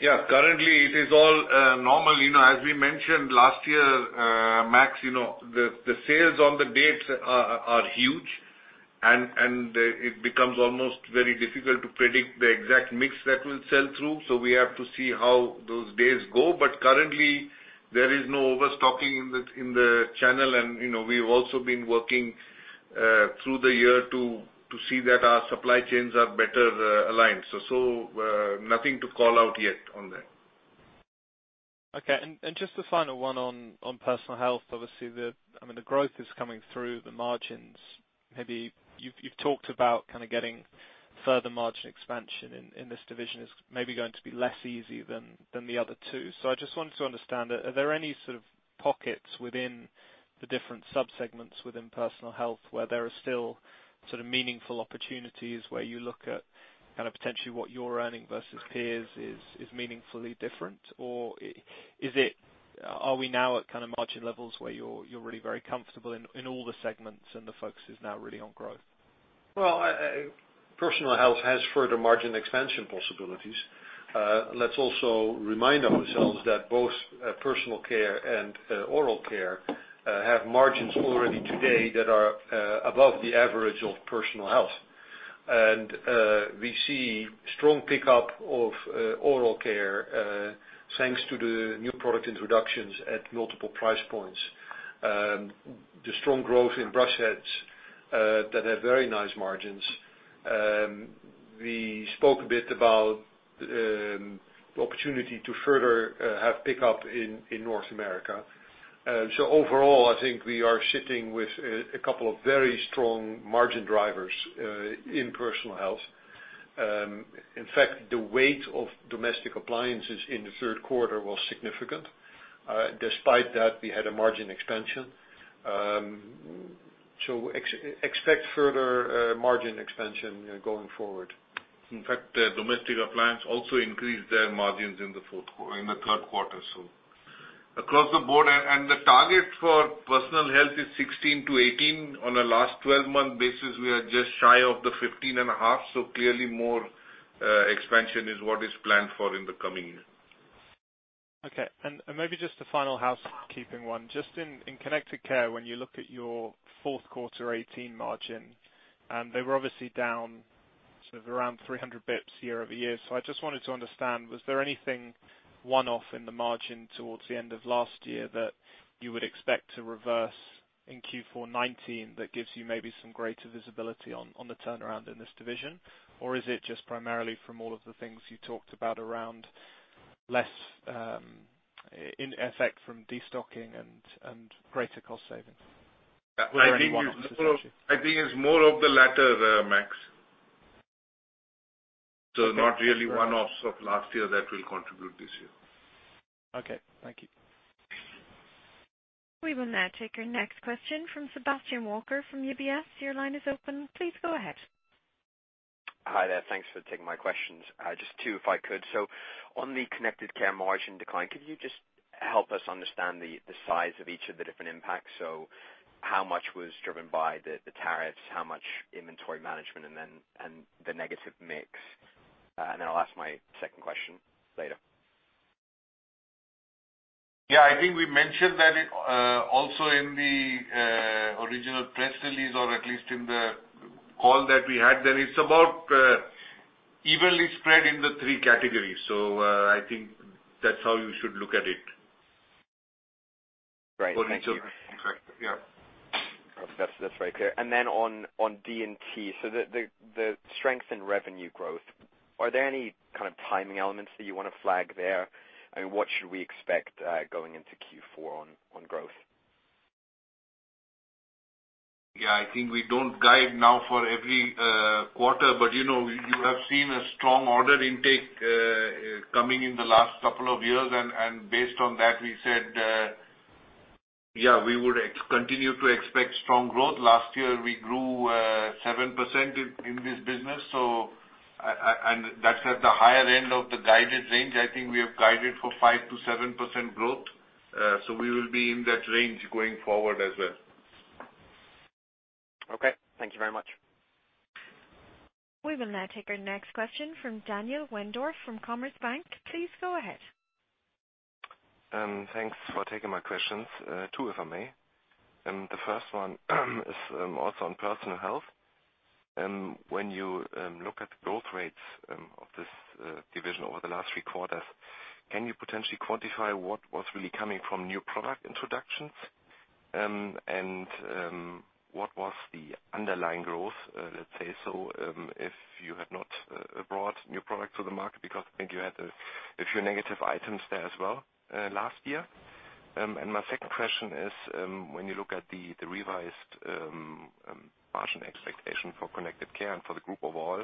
Currently, it is all normal. As we mentioned last year, Max, the sales on the dates are huge and it becomes almost very difficult to predict the exact mix that will sell through. We have to see how those days go. Currently, there is no overstocking in the channel, and we've also been working through the year to see that our supply chains are better aligned. Nothing to call out yet on that. Okay. Just a final one on personal health. Obviously, the growth is coming through the margins. Maybe you've talked about kind of getting further margin expansion in this division is maybe going to be less easy than the other two. I just wanted to understand, are there any sort of pockets within the different sub-segments within personal health where there are still sort of meaningful opportunities where you look at kind of potentially what you're earning versus peers is meaningfully different? Are we now at kind of margin levels where you're really very comfortable in all the segments and the focus is now really on growth? Well, Personal Health has further margin expansion possibilities. Let's also remind ourselves that both Personal Care and Oral Care have margins already today that are above the average of Personal Health. We see strong pickup of Oral Care, thanks to the new product introductions at multiple price points. The strong growth in brush heads that have very nice margins. We spoke a bit about the opportunity to further have pickup in North America. Overall, I think we are sitting with a couple of very strong margin drivers in Personal Health. In fact, the weight of domestic appliances in the third quarter was significant. Despite that, we had a margin expansion. Expect further margin expansion going forward. In fact, Domestic Appliances also increased their margins in the third quarter, so across the board. The target for Personal Health is 16%-18%. On a last 12-month basis, we are just shy of 15.5%, so clearly more expansion is what is planned for in the coming year. Okay. Maybe just a final housekeeping one. Just in Connected Care, when you look at your fourth quarter 2018 margin, they were obviously down sort of around 300 basis points year-over-year. I just wanted to understand, was there anything one-off in the margin towards the end of last year that you would expect to reverse in Q4 2019 that gives you maybe some greater visibility on the turnaround in this division? Is it just primarily from all of the things you talked about around less, in effect from destocking and greater cost savings, or any one-offs? I think it's more of the latter, Max. Not really one-offs of last year that will contribute this year. Okay. Thank you. We will now take our next question from Sebastian Walker from UBS. Your line is open. Please go ahead. Hi there. Thanks for taking my questions. Just two, if I could. On the connected care margin decline, could you just help us understand the size of each of the different impacts? How much was driven by the tariffs, how much inventory management, and then the negative mix? I'll ask my second question later. I think we mentioned that also in the original press release or at least in the call that we had, that it's about evenly spread in the 3 categories. I think that's how you should look at it. Right. Thank you. Correct. Yeah. That's very clear. Then on DNT, the strength in revenue growth, are there any kind of timing elements that you want to flag there? I mean, what should we expect going into Q4 on growth? I think we don't guide now for every quarter, but you have seen a strong order intake coming in the last couple of years. Based on that, we said, we would continue to expect strong growth. Last year, we grew 7% in this business. That's at the higher end of the guided range. I think we have guided for 5%-7% growth. We will be in that range going forward as well. Okay. Thank you very much. We will now take our next question from Daniel Wendorff from Commerzbank. Please go ahead. Thanks for taking my questions. Two, if I may. The first one is also on personal health. When you look at growth rates of this division over the last three quarters, can you potentially quantify what was really coming from new product introductions? What was the underlying growth, let's say, if you had not brought new products to the market because I think you had a few negative items there as well last year. My second question is, when you look at the revised margin expectation for Connected Care and for the group overall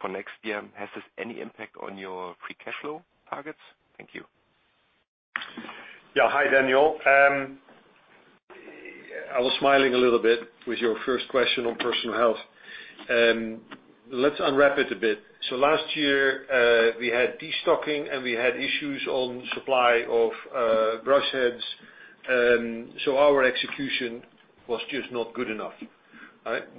for next year, has this any impact on your free cash flow targets? Thank you. Yeah. Hi, Daniel. I was smiling a little bit with your first question on personal health. Let's unwrap it a bit. Last year, we had destocking, and we had issues on supply of brush heads. Our execution was just not good enough.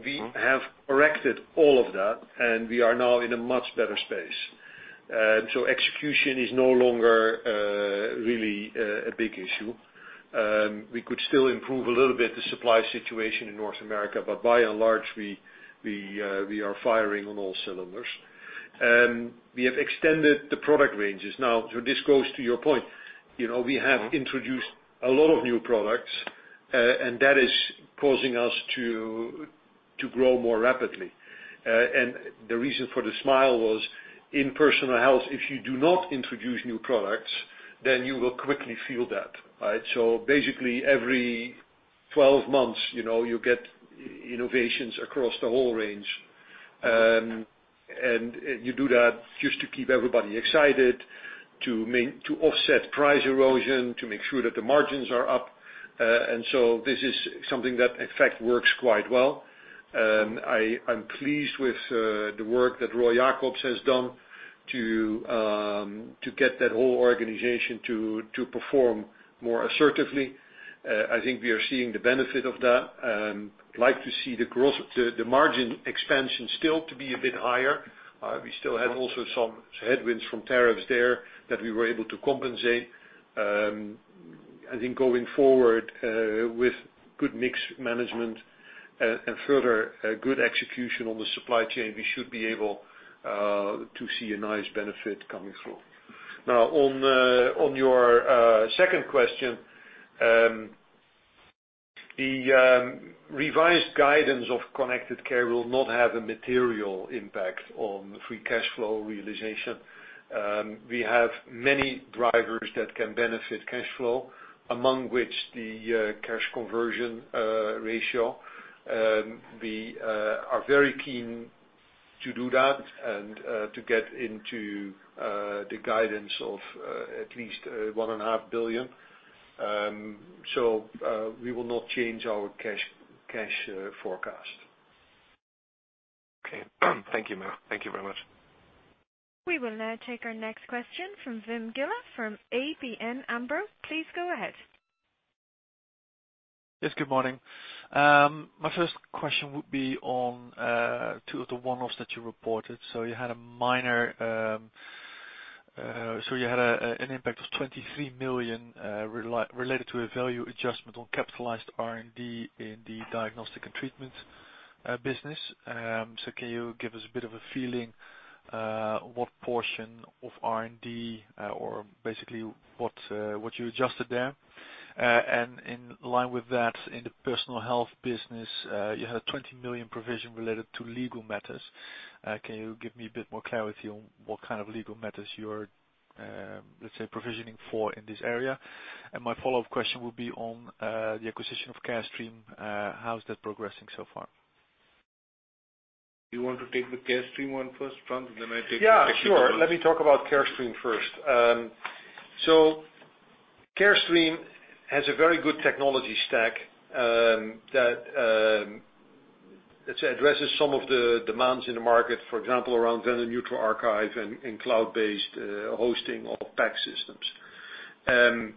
We have corrected all of that, and we are now in a much better space. Execution is no longer really a big issue. We could still improve a little bit the supply situation in North America, but by and large, we are firing on all cylinders. We have extended the product ranges. This goes to your point. We have introduced a lot of new products, and that is causing us to grow more rapidly. The reason for the smile was, in personal health, if you do not introduce new products, then you will quickly feel that. Every 12 months, you get innovations across the whole range. You do that just to keep everybody excited, to offset price erosion, to make sure that the margins are up. This is something that in fact, works quite well. I'm pleased with the work that Roy Jakobs has done to get that whole organization to perform more assertively. I think we are seeing the benefit of that. I'd like to see the margin expansion still to be a bit higher. We still had also some headwinds from tariffs there that we were able to compensate. I think going forward, with good mix management and further good execution on the supply chain, we should be able to see a nice benefit coming through. On your second question, the revised guidance of Connected Care will not have a material impact on free cash flow realization. We have many drivers that can benefit cash flow, among which the cash conversion ratio. We are very keen to do that and to get into the guidance of at least 1.5 billion. We will not change our cash forecast. Okay. Thank you. Thank you very much. We will now take our next question from Wim Gille from ABN AMRO. Please go ahead. Yes, good morning. My first question would be on two of the one-offs that you reported. You had an impact of 23 million, related to a value adjustment on capitalized R&D in the diagnostic and treatment business. Can you give us a bit of a feeling, what portion of R&D, or basically what you adjusted there? In line with that, in the personal health business, you had a 20 million provision related to legal matters. Can you give me a bit more clarity on what kind of legal matters you are, let's say, provisioning for in this area? My follow-up question would be on the acquisition of Carestream. How is that progressing so far? You want to take the Carestream one first, Frans. Yeah, sure. Let me talk about Carestream first. Carestream has a very good technology stack that addresses some of the demands in the market, for example, around vendor neutral archive and cloud-based hosting of PACS systems.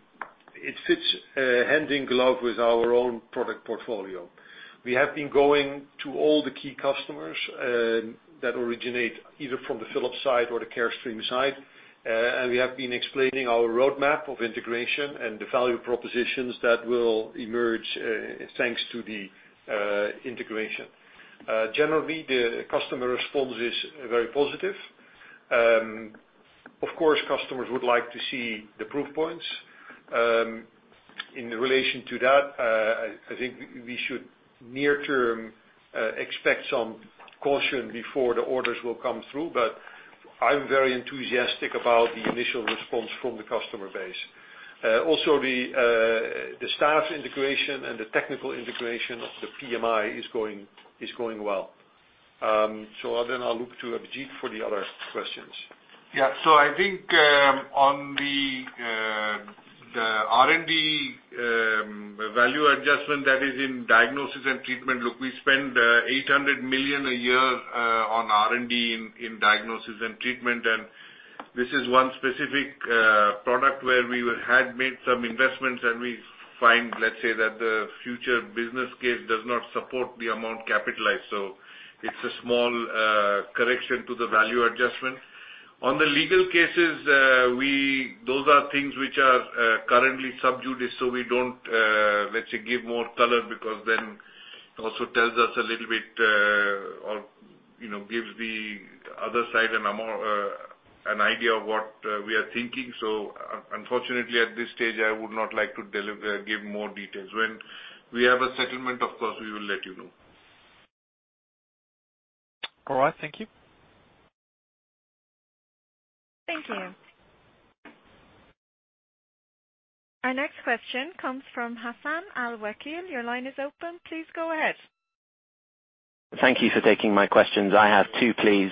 It fits hand in glove with our own product portfolio. We have been going to all the key customers that originate either from the Philips side or the Carestream side. We have been explaining our roadmap of integration and the value propositions that will emerge, thanks to the integration. Generally, the customer response is very positive. Of course, customers would like to see the proof points. In relation to that, I think we should near term expect some caution before the orders will come through, but I'm very enthusiastic about the initial response from the customer base. Also, the staff integration and the technical integration of the PMI is going well. I'll look to Abhijit for the other questions. I think on the R&D value adjustment that is in Diagnosis and Treatment, look, we spend 800 million a year on R&D in Diagnosis and Treatment. This is one specific product where we had made some investments, and we find, let's say, that the future business case does not support the amount capitalized. It's a small correction to the value adjustment. On the legal cases, those are things which are currently sub judice, so we don't, let's say, give more color because then it also tells us a little bit or gives the other side an idea of what we are thinking. Unfortunately, at this stage, I would not like to give more details. When we have a settlement, of course, we will let you know. All right. Thank you. Thank you. Our next question comes from Hassan Al-Wakeel. Your line is open. Please go ahead. Thank you for taking my questions. I have two, please.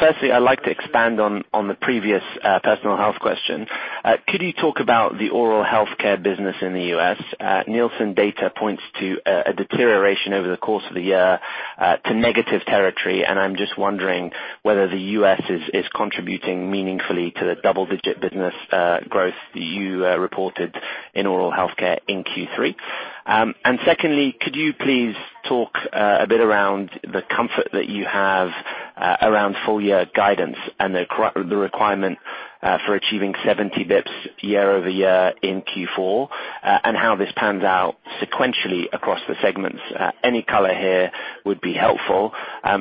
Firstly, I'd like to expand on the previous Personal Health question. Could you talk about the oral healthcare business in the U.S.? Nielsen data points to a deterioration over the course of the year to negative territory, and I'm just wondering whether the U.S. is contributing meaningfully to the double-digit business growth that you reported in oral healthcare in Q3. Secondly, could you please talk a bit around the comfort that you have around full year guidance and the requirement for achieving 70 basis points year-over-year in Q4, and how this pans out sequentially across the segments? Any color here would be helpful.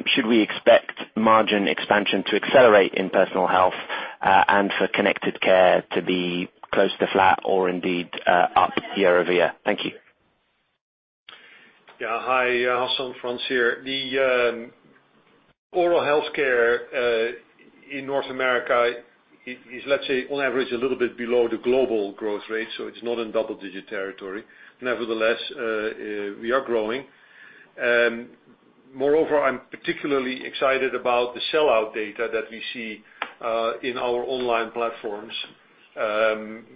Should we expect margin expansion to accelerate in Personal Health, and for Connected Care to be close to flat or indeed up year-over-year? Thank you. Yeah. Hi, Hassan. Frans here. The oral healthcare in North America is, let's say, on average, a little bit below the global growth rate, so it's not in double-digit territory. Nevertheless, we are growing. Moreover, I'm particularly excited about the sell-out data that we see in our online platforms,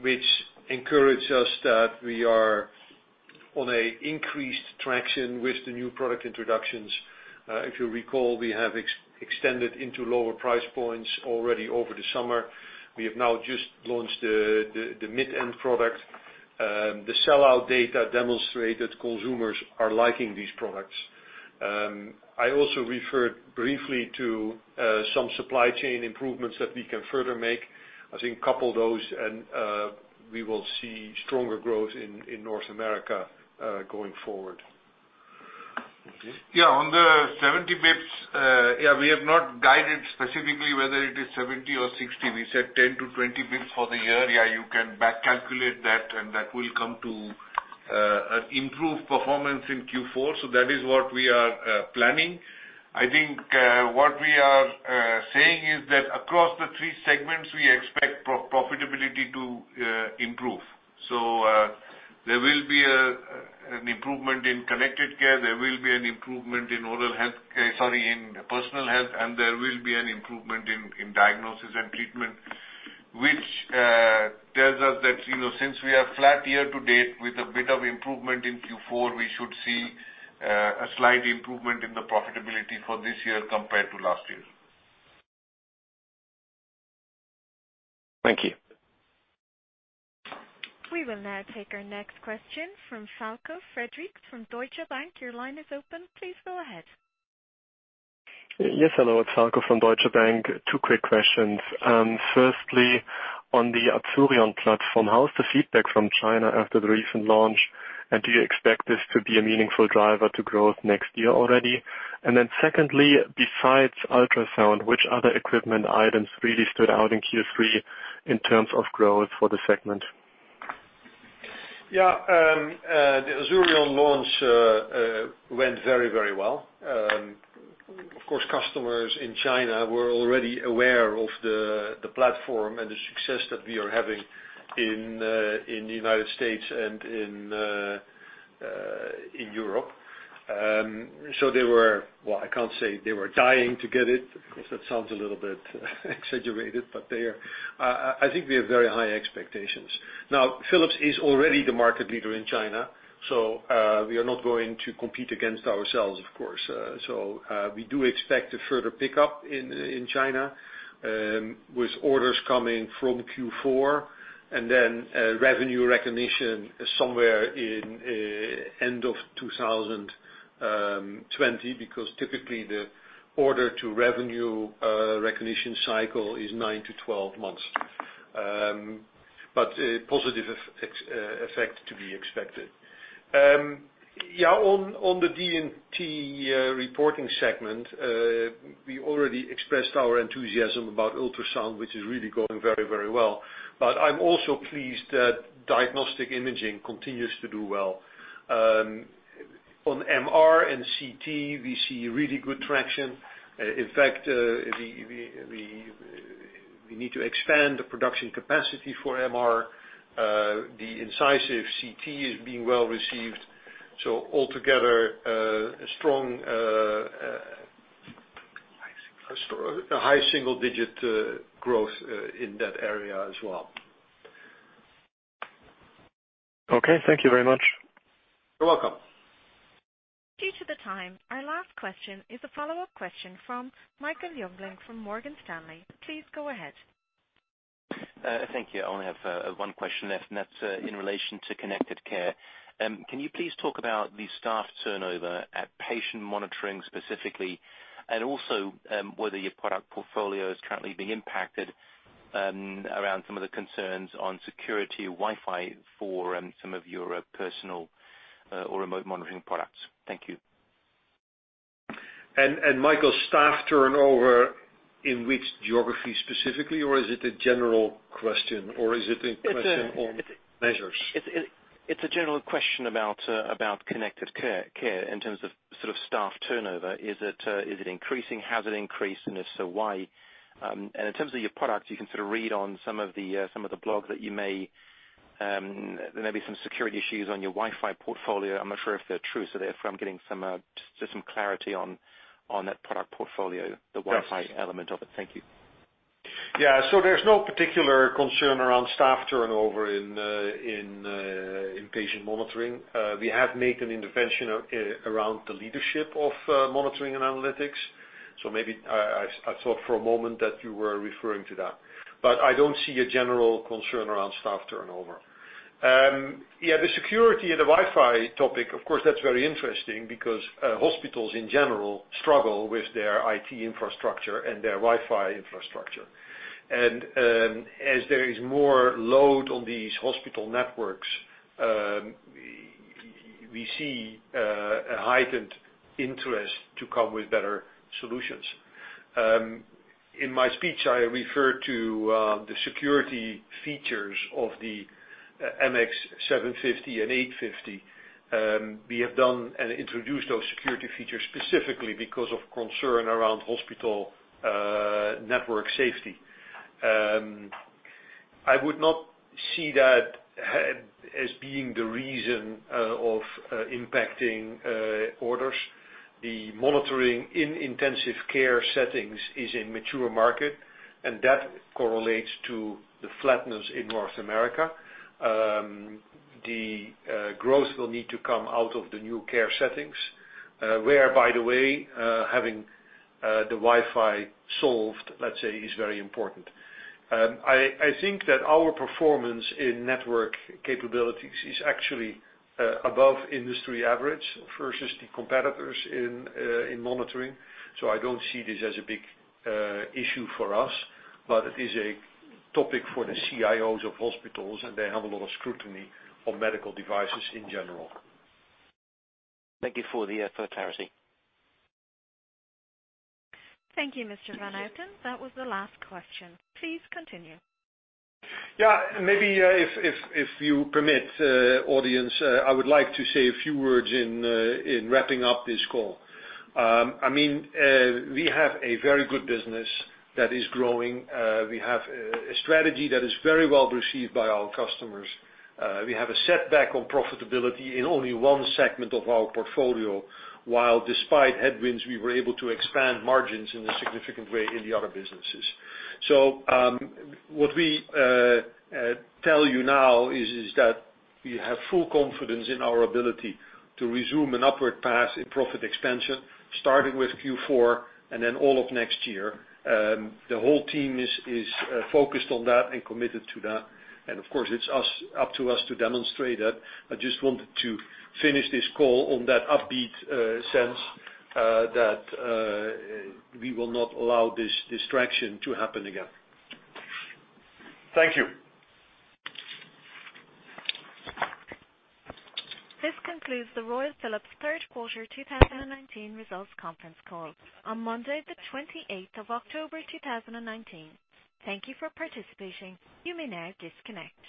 which encourage us that we are on a increased traction with the new product introductions. If you recall, we have extended into lower price points already over the summer. We have now just launched the mid-end product. The sell-out data demonstrate that consumers are liking these products. I also referred briefly to some supply chain improvements that we can further make. I think couple those and we will see stronger growth in North America, going forward. Abhijit? Yeah. On the 70 basis points, we have not guided specifically whether it is 70 or 60. We said 10-20 basis points for the year. You can back calculate that, and that will come to an improved performance in Q4. That is what we are planning. I think what we are saying is that across the three segments, we expect profitability to improve. There will be an improvement in Connected Care, there will be an improvement in Personal Health, and there will be an improvement in Diagnosis and Treatment, which tells us that since we are flat year to date with a bit of improvement in Q4, we should see a slight improvement in the profitability for this year compared to last year. Thank you. We will now take our next question from Falko Friedrichs from Deutsche Bank. Your line is open. Please go ahead. Hello, it's Falko from Deutsche Bank. Two quick questions. Firstly, on the Azurion platform, how is the feedback from China after the recent launch, and do you expect this to be a meaningful driver to growth next year already? Secondly, besides ultrasound, which other equipment items really stood out in Q3 in terms of growth for the segment? The Azurion launch went very well. Of course, customers in China were already aware of the platform and the success that we are having in the U.S. and in Europe. They were, well, I can't say they were dying to get it, because that sounds a little bit exaggerated. I think they have very high expectations. Philips is already the market leader in China, we are not going to compete against ourselves, of course. We do expect a further pickup in China, with orders coming from Q4, and then revenue recognition somewhere in end of 2020. Because typically, the order-to-revenue recognition cycle is nine to 12 months. A positive effect to be expected. On the DNT reporting segment, we already expressed our enthusiasm about ultrasound, which is really going very well. I'm also pleased that diagnostic imaging continues to do well. On MR and CT, we see really good traction. In fact, we need to expand the production capacity for MR. The Incisive CT is being well received. Altogether, a strong- High single digit a high single-digit growth in that area as well. Okay. Thank you very much. You're welcome. Due to the time, our last question is a follow-up question from Michael Jüngling from Morgan Stanley. Please go ahead. Thank you. I only have one question left, and that's in relation to Connected Care. Can you please talk about the staff turnover at patient monitoring specifically, and also whether your product portfolio is currently being impacted around some of the concerns on security Wi-Fi for some of your personal or remote monitoring products? Thank you. Michael, staff turnover in which geography specifically, or is it a general question? Or is it a question on measures? It's a general question about connected care, in terms of staff turnover. Is it increasing? Has it increased? If so, why? In terms of your product, you can sort of read on some of the blog that there may be some security issues on your Wi-Fi portfolio. I'm not sure if they're true, so therefore, I'm getting just some clarity on that product portfolio. Yes the Wi-Fi element of it. Thank you. Yeah. There's no particular concern around staff turnover in patient monitoring. We have made an intervention around the leadership of monitoring and analytics. Maybe, I thought for a moment that you were referring to that. I don't see a general concern around staff turnover. Yeah, the security and the Wi-Fi topic, of course, that's very interesting, because hospitals in general struggle with their IT infrastructure and their Wi-Fi infrastructure. As there is more load on these hospital networks, we see a heightened interest to come with better solutions. In my speech, I referred to the security features of the MX750 and 850. We have done and introduced those security features specifically because of concern around hospital network safety. I would not see that as being the reason of impacting orders. The monitoring in intensive care settings is a mature market, and that correlates to the flatness in North America. The growth will need to come out of the new care settings, where, by the way, having the Wi-Fi solved, let's say, is very important. I think that our performance in network capabilities is actually above industry average versus the competitors in monitoring. I don't see this as a big issue for us. It is a topic for the CIOs of hospitals, and they have a lot of scrutiny on medical devices in general. Thank you for the clarity. Thank you, Mr. Van Houten. That was the last question. Please continue. Yeah. Maybe if you permit, audience, I would like to say a few words in wrapping up this call. We have a very good business that is growing. We have a strategy that is very well received by our customers. We have a setback on profitability in only one segment of our portfolio, while despite headwinds, we were able to expand margins in a significant way in the other businesses. What we tell you now is that we have full confidence in our ability to resume an upward path in profit expansion, starting with Q4, and then all of next year. The whole team is focused on that and committed to that. Of course, it's up to us to demonstrate that. I just wanted to finish this call on that upbeat sense that we will not allow this distraction to happen again. Thank you. This concludes the Royal Philips third quarter 2019 results conference call on Monday, the 28th of October 2019. Thank you for participating. You may now disconnect.